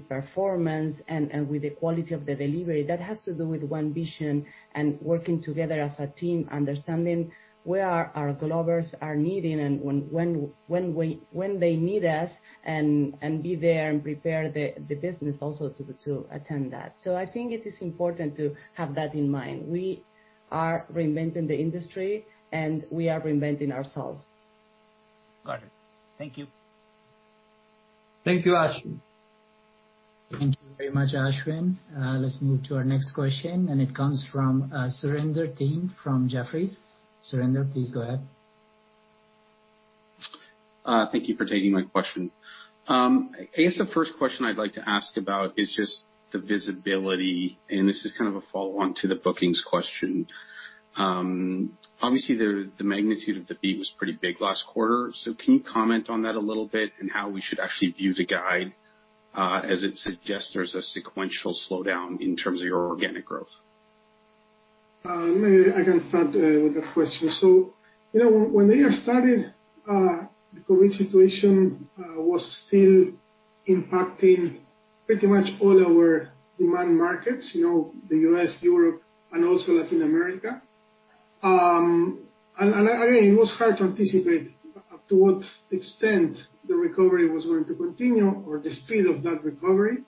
performance, and with the quality of the delivery, that has to do with one vision and working together as a team, understanding where our Globers are needing and when they need us, and be there and prepare the business also to attend that. I think it is important to have that in mind. We are reinventing the industry, and we are reinventing ourselves. Got it, thank you. Thank you, Ashwin. Thank you very much, Ashwin. Let's move to our next question, and it comes from Surinder Thind from Jefferies. Surinder, please go ahead. Thank you for taking my question. I guess the first question I'd like to ask about is just the visibility, and this is kind of a follow-on to the bookings question. Obviously, the magnitude of the beat was pretty big last quarter. Can you comment on that a little bit and how we should actually view the guide, as it suggests there's a sequential slowdown in terms of your organic growth? Maybe I can start with that question. When the year started, the COVID situation was still impacting pretty much all our demand markets, the U.S., Europe, and also Latin America. Again, it was hard to anticipate up to what extent the recovery was going to continue or the speed of that recovery.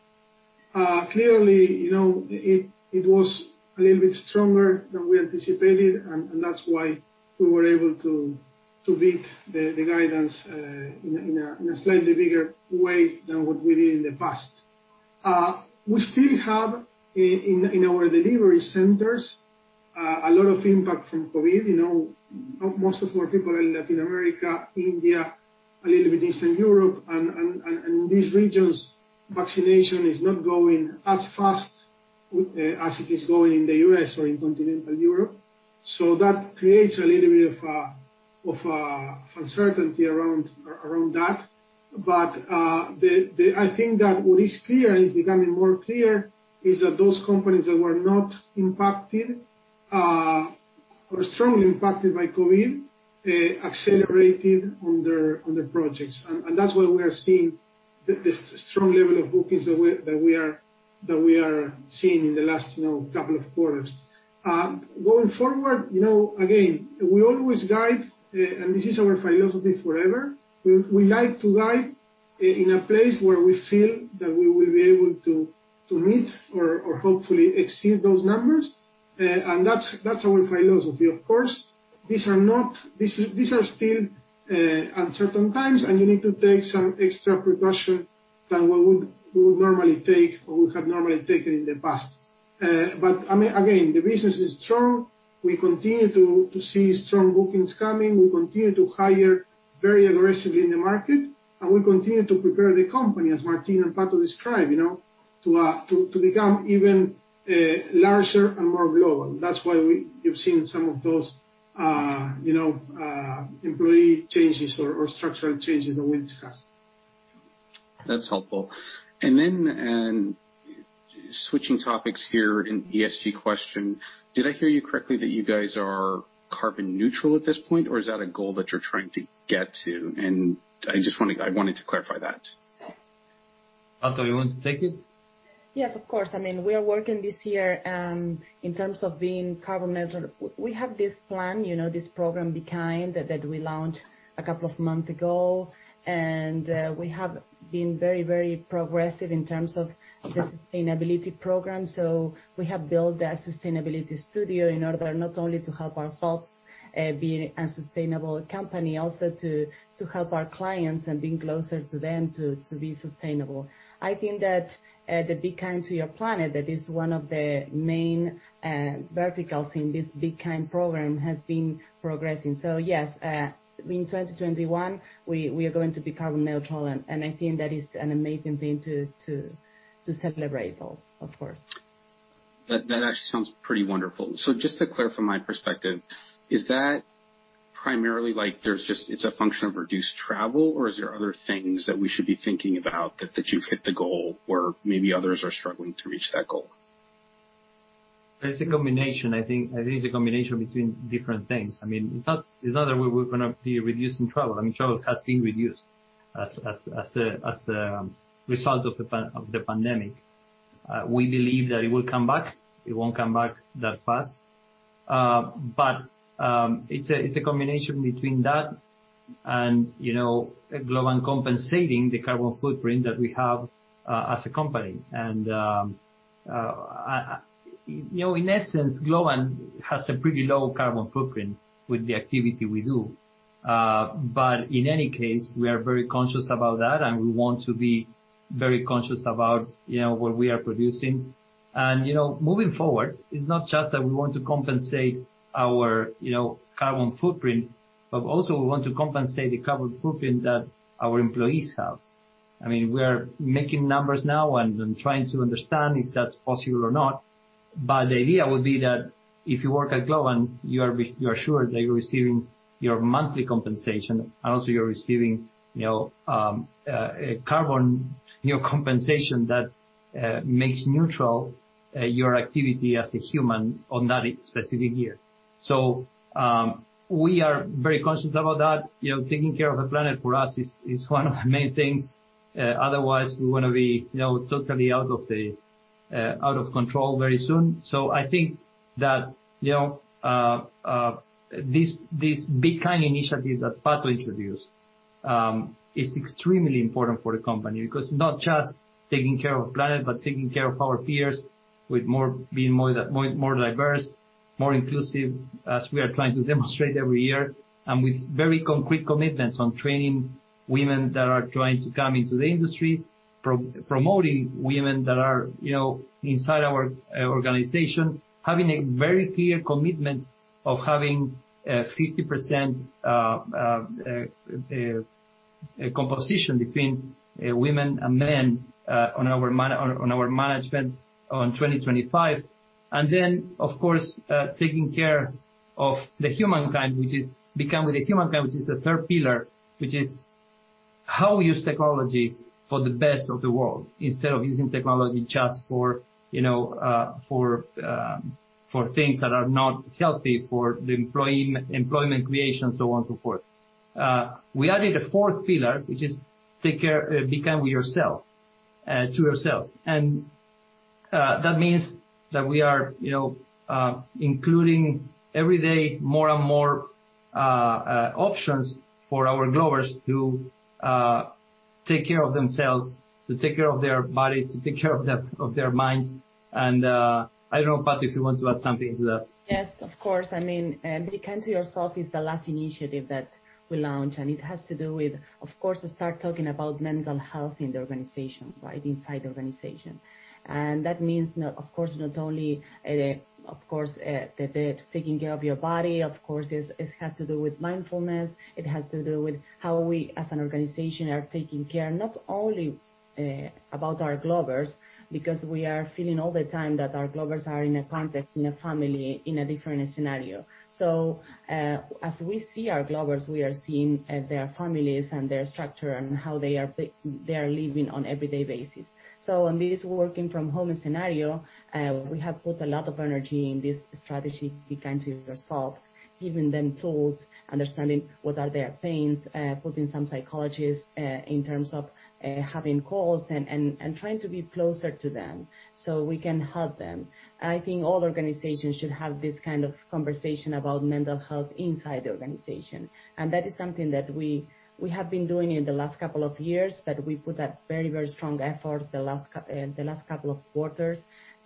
Clearly, it was a little bit stronger than we anticipated, and that's why we were able to beat the guidance in a slightly bigger way than what we did in the past. We still have, in our delivery centers, a lot of impact from COVID. Most of our people are in Latin America, India, a little bit Eastern Europe, and in these regions, vaccination is not going as fast as it is going in the U.S. or in continental Europe. That creates a little bit of uncertainty around that. I think that what is clear, and it's becoming more clear, is that those companies that were not impacted, or strongly impacted by COVID, accelerated on their projects. That's why we are seeing this strong level of bookings that we are seeing in the last couple of quarters. Going forward, again, we always guide, and this is our philosophy forever. We like to guide in a place where we feel that we will be able to meet or hopefully exceed those numbers. That's our philosophy. Of course, these are still uncertain times, and you need to take some extra precaution than we would normally take, or we have normally taken in the past. Again, the business is strong. We continue to see strong bookings coming. We continue to hire very aggressively in the market, and we continue to prepare the company, as Martín and Pato described, to become even larger and more global. That's why you've seen some of those employee changes or structural changes that we discussed. That's helpful, switching topics here, an ESG question. Did I hear you correctly that you guys are carbon neutral at this point, or is that a goal that you're trying to get to? I wanted to clarify that. Pato, you want to take it? Yes, of course. We are working this year, in terms of being carbon neutral. We have this plan, this program, Be Kind, that we launched a couple of months ago. We have been very progressive in terms of the sustainability program. We have built a Sustainability Studio in order not only to help ourselves be a sustainable company, also to help our clients and being closer to them to be sustainable. I think that the Be Kind to Your Planet, that is one of the main verticals in this Be Kind program, has been progressing. Yes, in 2021, we are going to be carbon neutral, and I think that is an amazing thing to celebrate also, of course. That actually sounds pretty wonderful. Just to clarify my perspective, is that primarily it's a function of reduced travel, or is there other things that we should be thinking about that you've hit the goal where maybe others are struggling to reach that goal? It's a combination, I think it's a combination between different things. It's not that we're going to be reducing travel. Travel has been reduced as a result of the pandemic. We believe that it will come back. It won't come back that fast. It's a combination between that and Globant compensating the carbon footprint that we have as a company. In essence, Globant has a pretty low carbon footprint with the activity we do. In any case, we are very conscious about that, and we want to be very conscious about what we are producing. Moving forward, it's not just that we want to compensate our carbon footprint, but also we want to compensate the carbon footprint that our employees have. We are making numbers now and trying to understand if that's possible or not. The idea would be that if you work at Globant, you are assured that you're receiving your monthly compensation, and also, you're receiving carbon compensation that makes neutral your activity as a human on that specific year. We are very conscious about that. Taking care of the planet for us is one of the main things. Otherwise, we're going to be totally out of control very soon. I think that this Be Kind initiative that Pato introduced is extremely important for the company because not just taking care of planet, but taking care of our peers with being more diverse, more inclusive as we are trying to demonstrate every year and with very concrete commitments on training women that are trying to come into the industry, promoting women that are inside our organization, having a very clear commitment of having a 50% composition between women and men on our management on 2025. Of course, taking care of the humankind, which is the third pillar, which is how we use technology for the best of the world instead of using technology just for things that are not healthy for the employment creation, so on and so forth. We added a fourth pillar, which is Be Kind to Yourself. That means that we are including every day more and more options for our Globers to take care of themselves, to take care of their bodies, to take care of their minds. I don't know, Pato, if you want to add something to that. Yes, of course, Be Kind to Yourself is the last initiative that we launched, it has to do with, of course, start talking about mental health in the organization. Inside the organization. That means, of course, not only taking care of your body, of course, it has to do with mindfulness. It has to do with how we as an organization are taking care, not only about our Globers, because we are feeling all the time that our Globers are in a context, in a family, in a different scenario. As we see our Globers, we are seeing their families and their structure and how they are living on an everyday basis. On this working from home scenario, we have put a lot of energy in this strategy, Be Kind to Yourself, giving them tools, understanding what are their pains, putting some psychologists in terms of having calls and trying to be closer to them so we can help them. I think all organizations should have this kind of conversation about mental health inside the organization. That is something that we have been doing in the last couple of years, but we put a very strong effort the last couple of quarters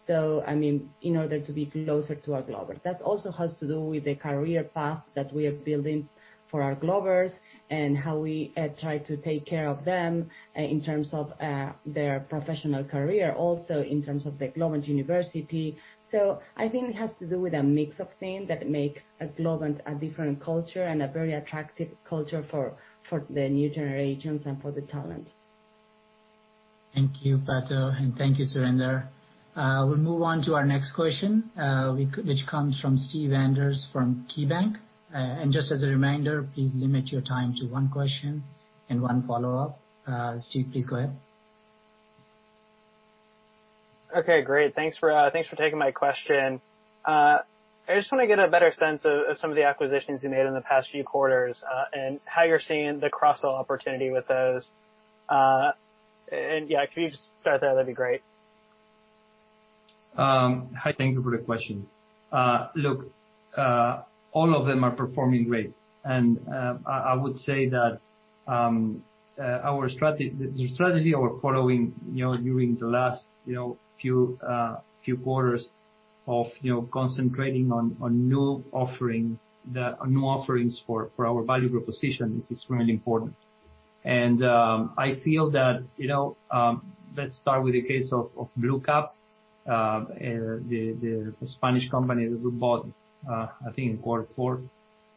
in order to be closer to our Globers. That also has to do with the career path that we are building for our Globers and how we try to take care of them in terms of their professional career, also in terms of the Globant University. I think it has to do with a mix of things that makes Globant a different culture and a very attractive culture for the new generations and for the talent. Thank you, Pato, and thank you, Surinder. We'll move on to our next question which comes from Steven Enders from KeyBanc. Just as a reminder, please limit your time to one question and one follow-up. Steve, please go ahead. Okay, great, thanks for taking my question. I just want to get a better sense of some of the acquisitions you made in the past few quarters and how you're seeing the cross-sell opportunity with those. Yeah, could you just start there? That'd be great. Hi, thank you for the question. Look, all of them are performing great. I would say that the strategy we're following during the last few quarters of concentrating on new offerings for our value proposition is extremely important. I feel that, let's start with the case of Bluecap, the Spanish company that we bought I think in quarter four.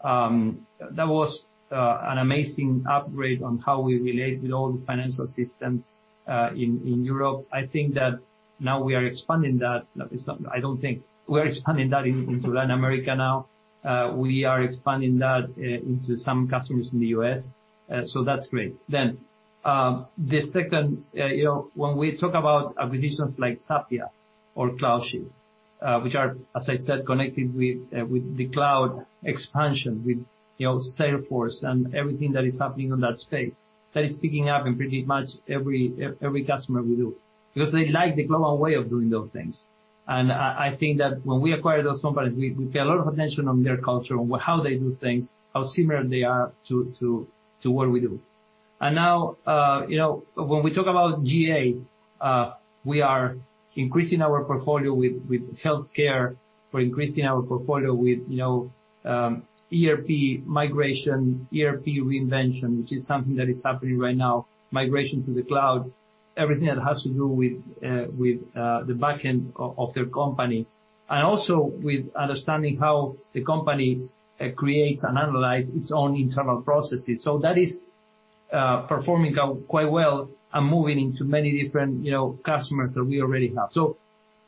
That was an amazing upgrade on how we relate with all the financial system in Europe. I think that now we are expanding that. I don't think we're expanding that into Latin America now. We are expanding that into some customers in the U.S., so that's great. The second, when we talk about acquisitions like Sapia or CloudShift, which are, as I said, connected with the cloud expansion, with Salesforce and everything that is happening in that space. That is picking up in pretty much every customer we do, because they like the Globant way of doing those things. I think that when we acquire those companies, we pay a lot of attention on their culture and how they do things, how similar they are to what we do. Now, when we talk about gA, we are increasing our portfolio with healthcare. We're increasing our portfolio with ERP migration, ERP reinvention, which is something that is happening right now, migration to the cloud, everything that has to do with the back end of their company. Also with understanding how the company creates and analyzes its own internal processes. That is performing quite well and moving into many different customers that we already have.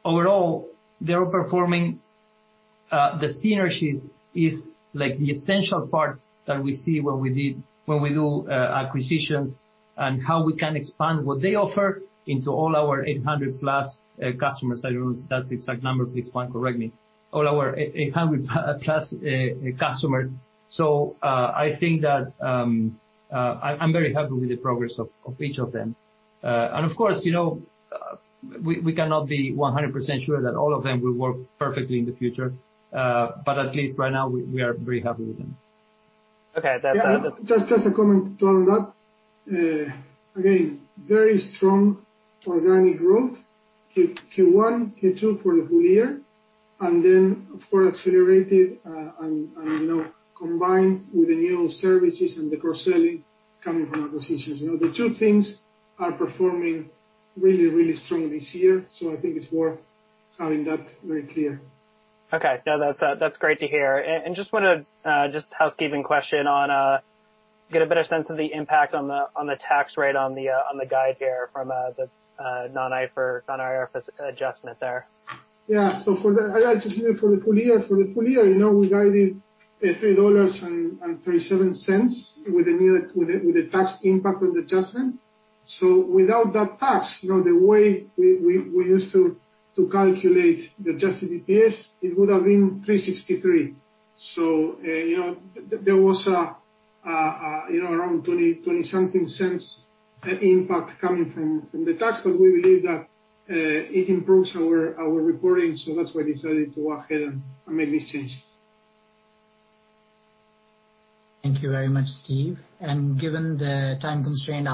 Overall, they're performing. The synergies is the essential part that we see when we do acquisitions, and how we can expand what they offer into all our 800-plus customers. I don't know if that's the exact number, please, Juan, correct me. All our 800-plus customers. I think that I'm very happy with the progress of each of them. Of course, we cannot be 100% sure that all of them will work perfectly in the future. At least right now, we are very happy with them. Okay. Yeah, just a comment on that. Again, very strong organic growth, Q1, Q2 for the full year, of course, accelerated and now combined with the new services and the cross-selling coming from acquisitions. The two things are performing really strong this year. I think it's worth having that very clear. Okay, no, that's great to hear. Just a housekeeping question on get a better sense of the impact on the tax rate on the guide here from the non-IFRS adjustment there. For the adjustment for the full year, we guided $3.37 with the tax impact on the adjustment. Without that tax, the way we used to calculate the adjusted EPS, it would have been $3.63. There was around $0.20 impact coming from the tax, but we believe that it improves our reporting. That's why we decided to go ahead and make this change. Thank you very much, Steve. Given the time constraint,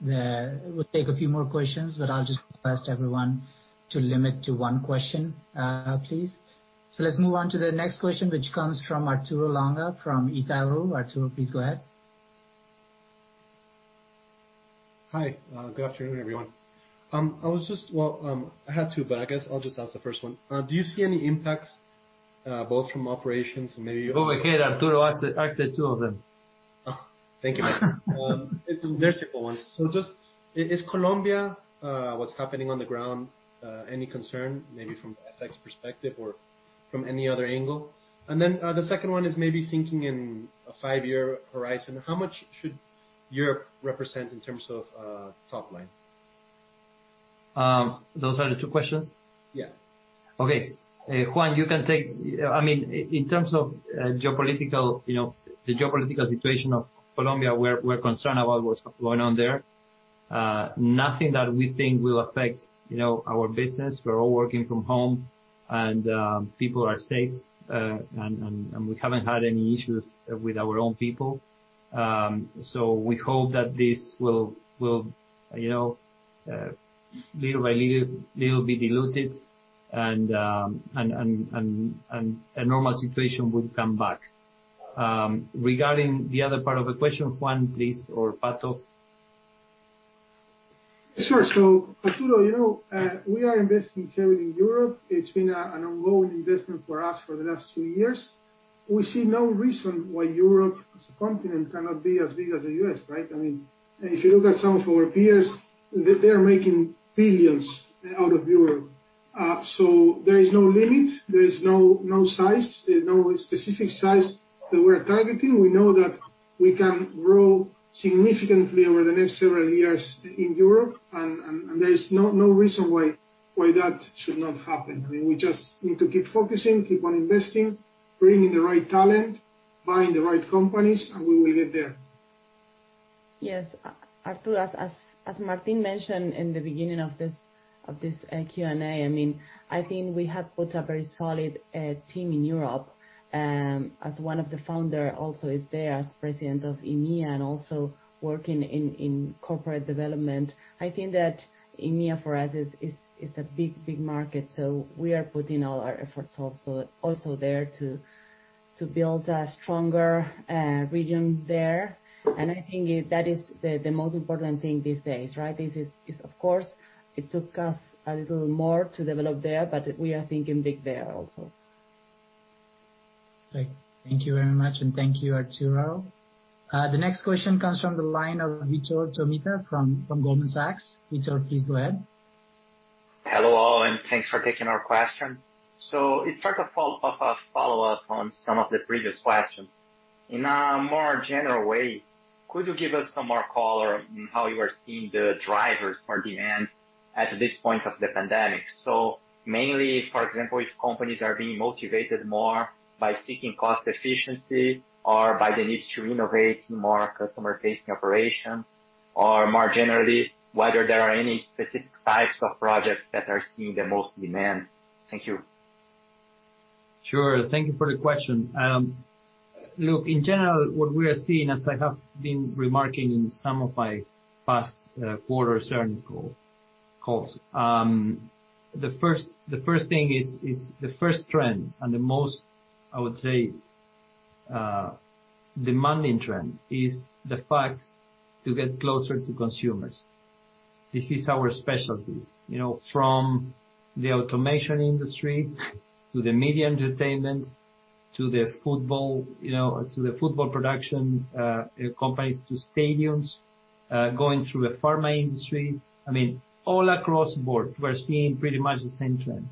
we'll take a few more questions, but I'll just request everyone to limit to one question, please. Let's move on to the next question, which comes from Arturo Langa from Itaú. Arturo, please go ahead. Hi, good afternoon, everyone. Well, I had two, but I guess I'll just ask the first one. Do you see any impacts, both from operations and maybe- Go ahead, Arturo, ask the two of them. Thank you, Martín, they're simple ones. Just, is Colombia, what's happening on the ground, any concern, maybe from an FX perspective or from any other angle? Then the second one is maybe thinking in a five-year horizon. How much should Europe represent in terms of top line? Those are the two questions? Yeah. Okay, Juan, you can take. In terms of the geopolitical situation of Colombia, we're concerned about what's going on there. Nothing that we think will affect our business. We're all working from home, and people are safe. We haven't had any issues with our own people. We hope that this will little by little be diluted and a normal situation will come back. Regarding the other part of the question, Juan, please, or Pato. Sure, Arturo, we are investing heavily in Europe. It's been an ongoing investment for us for the last few years. We see no reason why Europe as a continent cannot be as big as the U.S., right? If you look at some of our peers, they're making billions out of Europe. There is no limit, there is no specific size that we're targeting. We know that we can grow significantly over the next several years in Europe, and there is no reason why that should not happen. We just need to keep focusing, keep on investing, bring in the right talent, buying the right companies, and we will get there. Yes, Arturo, as Martín mentioned in the beginning of this Q&A, I think we have put a very solid team in Europe. One of the founder also is there as president of EMEA and also working in corporate development. I think that EMEA for us is a big market. We are putting all our efforts also there to build a stronger region there. I think that is the most important thing these days, right? Of course, it took us a little more to develop there, we are thinking big there also. Great, thank you very much, and thank you, Arturo. The next question comes from the line of Victor Tomita from Goldman Sachs. Victor, please go ahead. Hello all, thanks for taking our question. It's sort of a follow-up on some of the previous questions. In a more general way. Could you give us some more color on how you are seeing the drivers for demand at this point of the pandemic? Mainly, for example, if companies are being motivated more by seeking cost efficiency or by the need to innovate more customer-facing operations, or more generally, whether there are any specific types of projects that are seeing the most demand, thank you. Sure, thank you for the question. Look, in general, what we are seeing, as I have been remarking in some of my past quarter earnings calls. The first trend and the most, I would say, demanding trend is the fact to get closer to consumers. This is our specialty. From the automation industry to the media entertainment, to the football production companies, to stadiums, going through the pharma industry. All across board, we're seeing pretty much the same trend,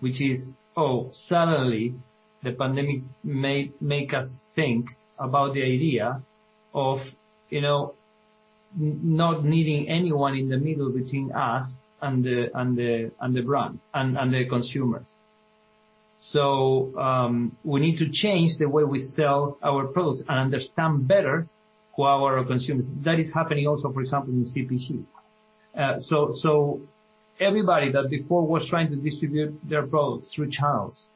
which is, oh, suddenly, the pandemic make us think about the idea of not needing anyone in the middle between us and the brand, and the consumers. We need to change the way we sell our products and understand better who are our consumers, that is happening also, for example, in CPG. Everybody that before was trying to distribute their products through channels,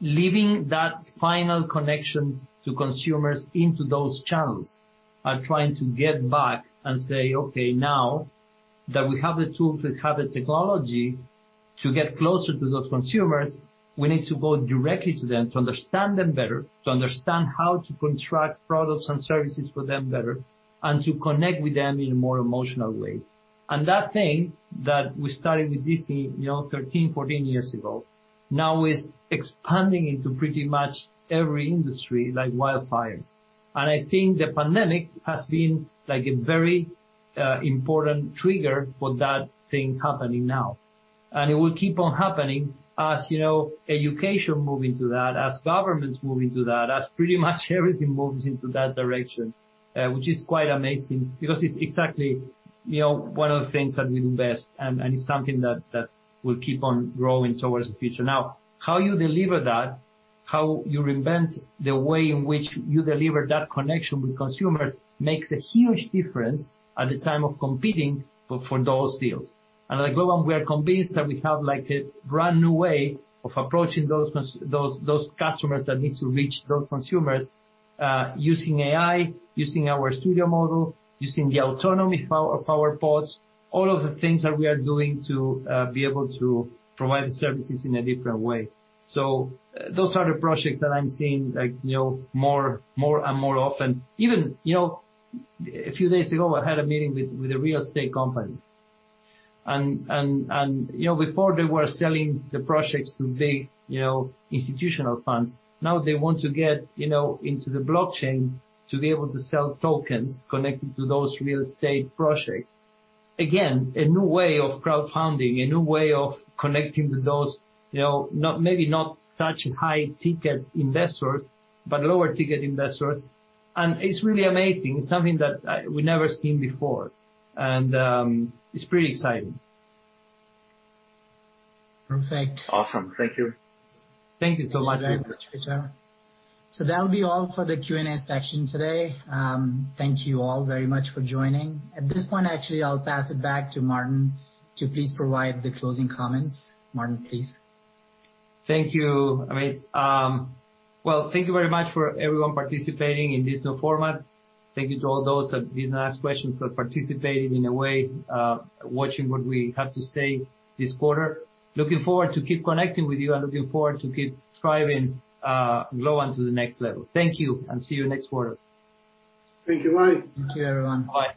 leaving that final connection to consumers into those channels, are trying to get back and say, okay, now that we have the tools, we have the technology to get closer to those consumers, we need to go directly to them to understand them better, to understand how to contract products and services for them better, and to connect with them in a more emotional way. That thing that we started with Disney 13, 14 years ago, now is expanding into pretty much every industry like wildfire. I think the pandemic has been a very important trigger for that thing happening now. It will keep on happening as education move into that, as governments move into that, as pretty much everything moves into that direction. Which is quite amazing because it's exactly one of the things that we do best, and it's something that will keep on growing towards the future. How you deliver that, how you reinvent the way in which you deliver that connection with consumers, makes a huge difference at the time of competing for those deals. At Globant, we are convinced that we have a brand-new way of approaching those customers that need to reach those consumers, using AI, using our studio model, using the autonomy of our pods, all of the things that we are doing to be able to provide the services in a different way. Those are the projects that I'm seeing more and more often. Even a few days ago, I had a meeting with a real estate company, and before they were selling the projects to big institutional funds. Now they want to get into the blockchain to be able to sell tokens connected to those real estate projects. Again, a new way of crowdfunding, a new way of connecting with those maybe not such high-ticket investors, but lower-ticket investors. It's really amazing. It's something that we've never seen before, and it's pretty exciting. Perfect. Awesome, thank you. Thank you so much. Thank you very much, Victor. That'll be all for the Q&A section today. Thank you all very much for joining. At this point, actually, I'll pass it back to Martín to please provide the closing comments. Martín, please. Thank you, Amit. Well, thank you very much for everyone participating in this new format. Thank you to all those that didn't ask questions, but participated in a way, watching what we have to say this quarter. Looking forward to keep connecting with you and looking forward to keep thriving Globant to the next level. Thank you, and see you next quarter. Thank you, bye. Thank you, everyone. Bye.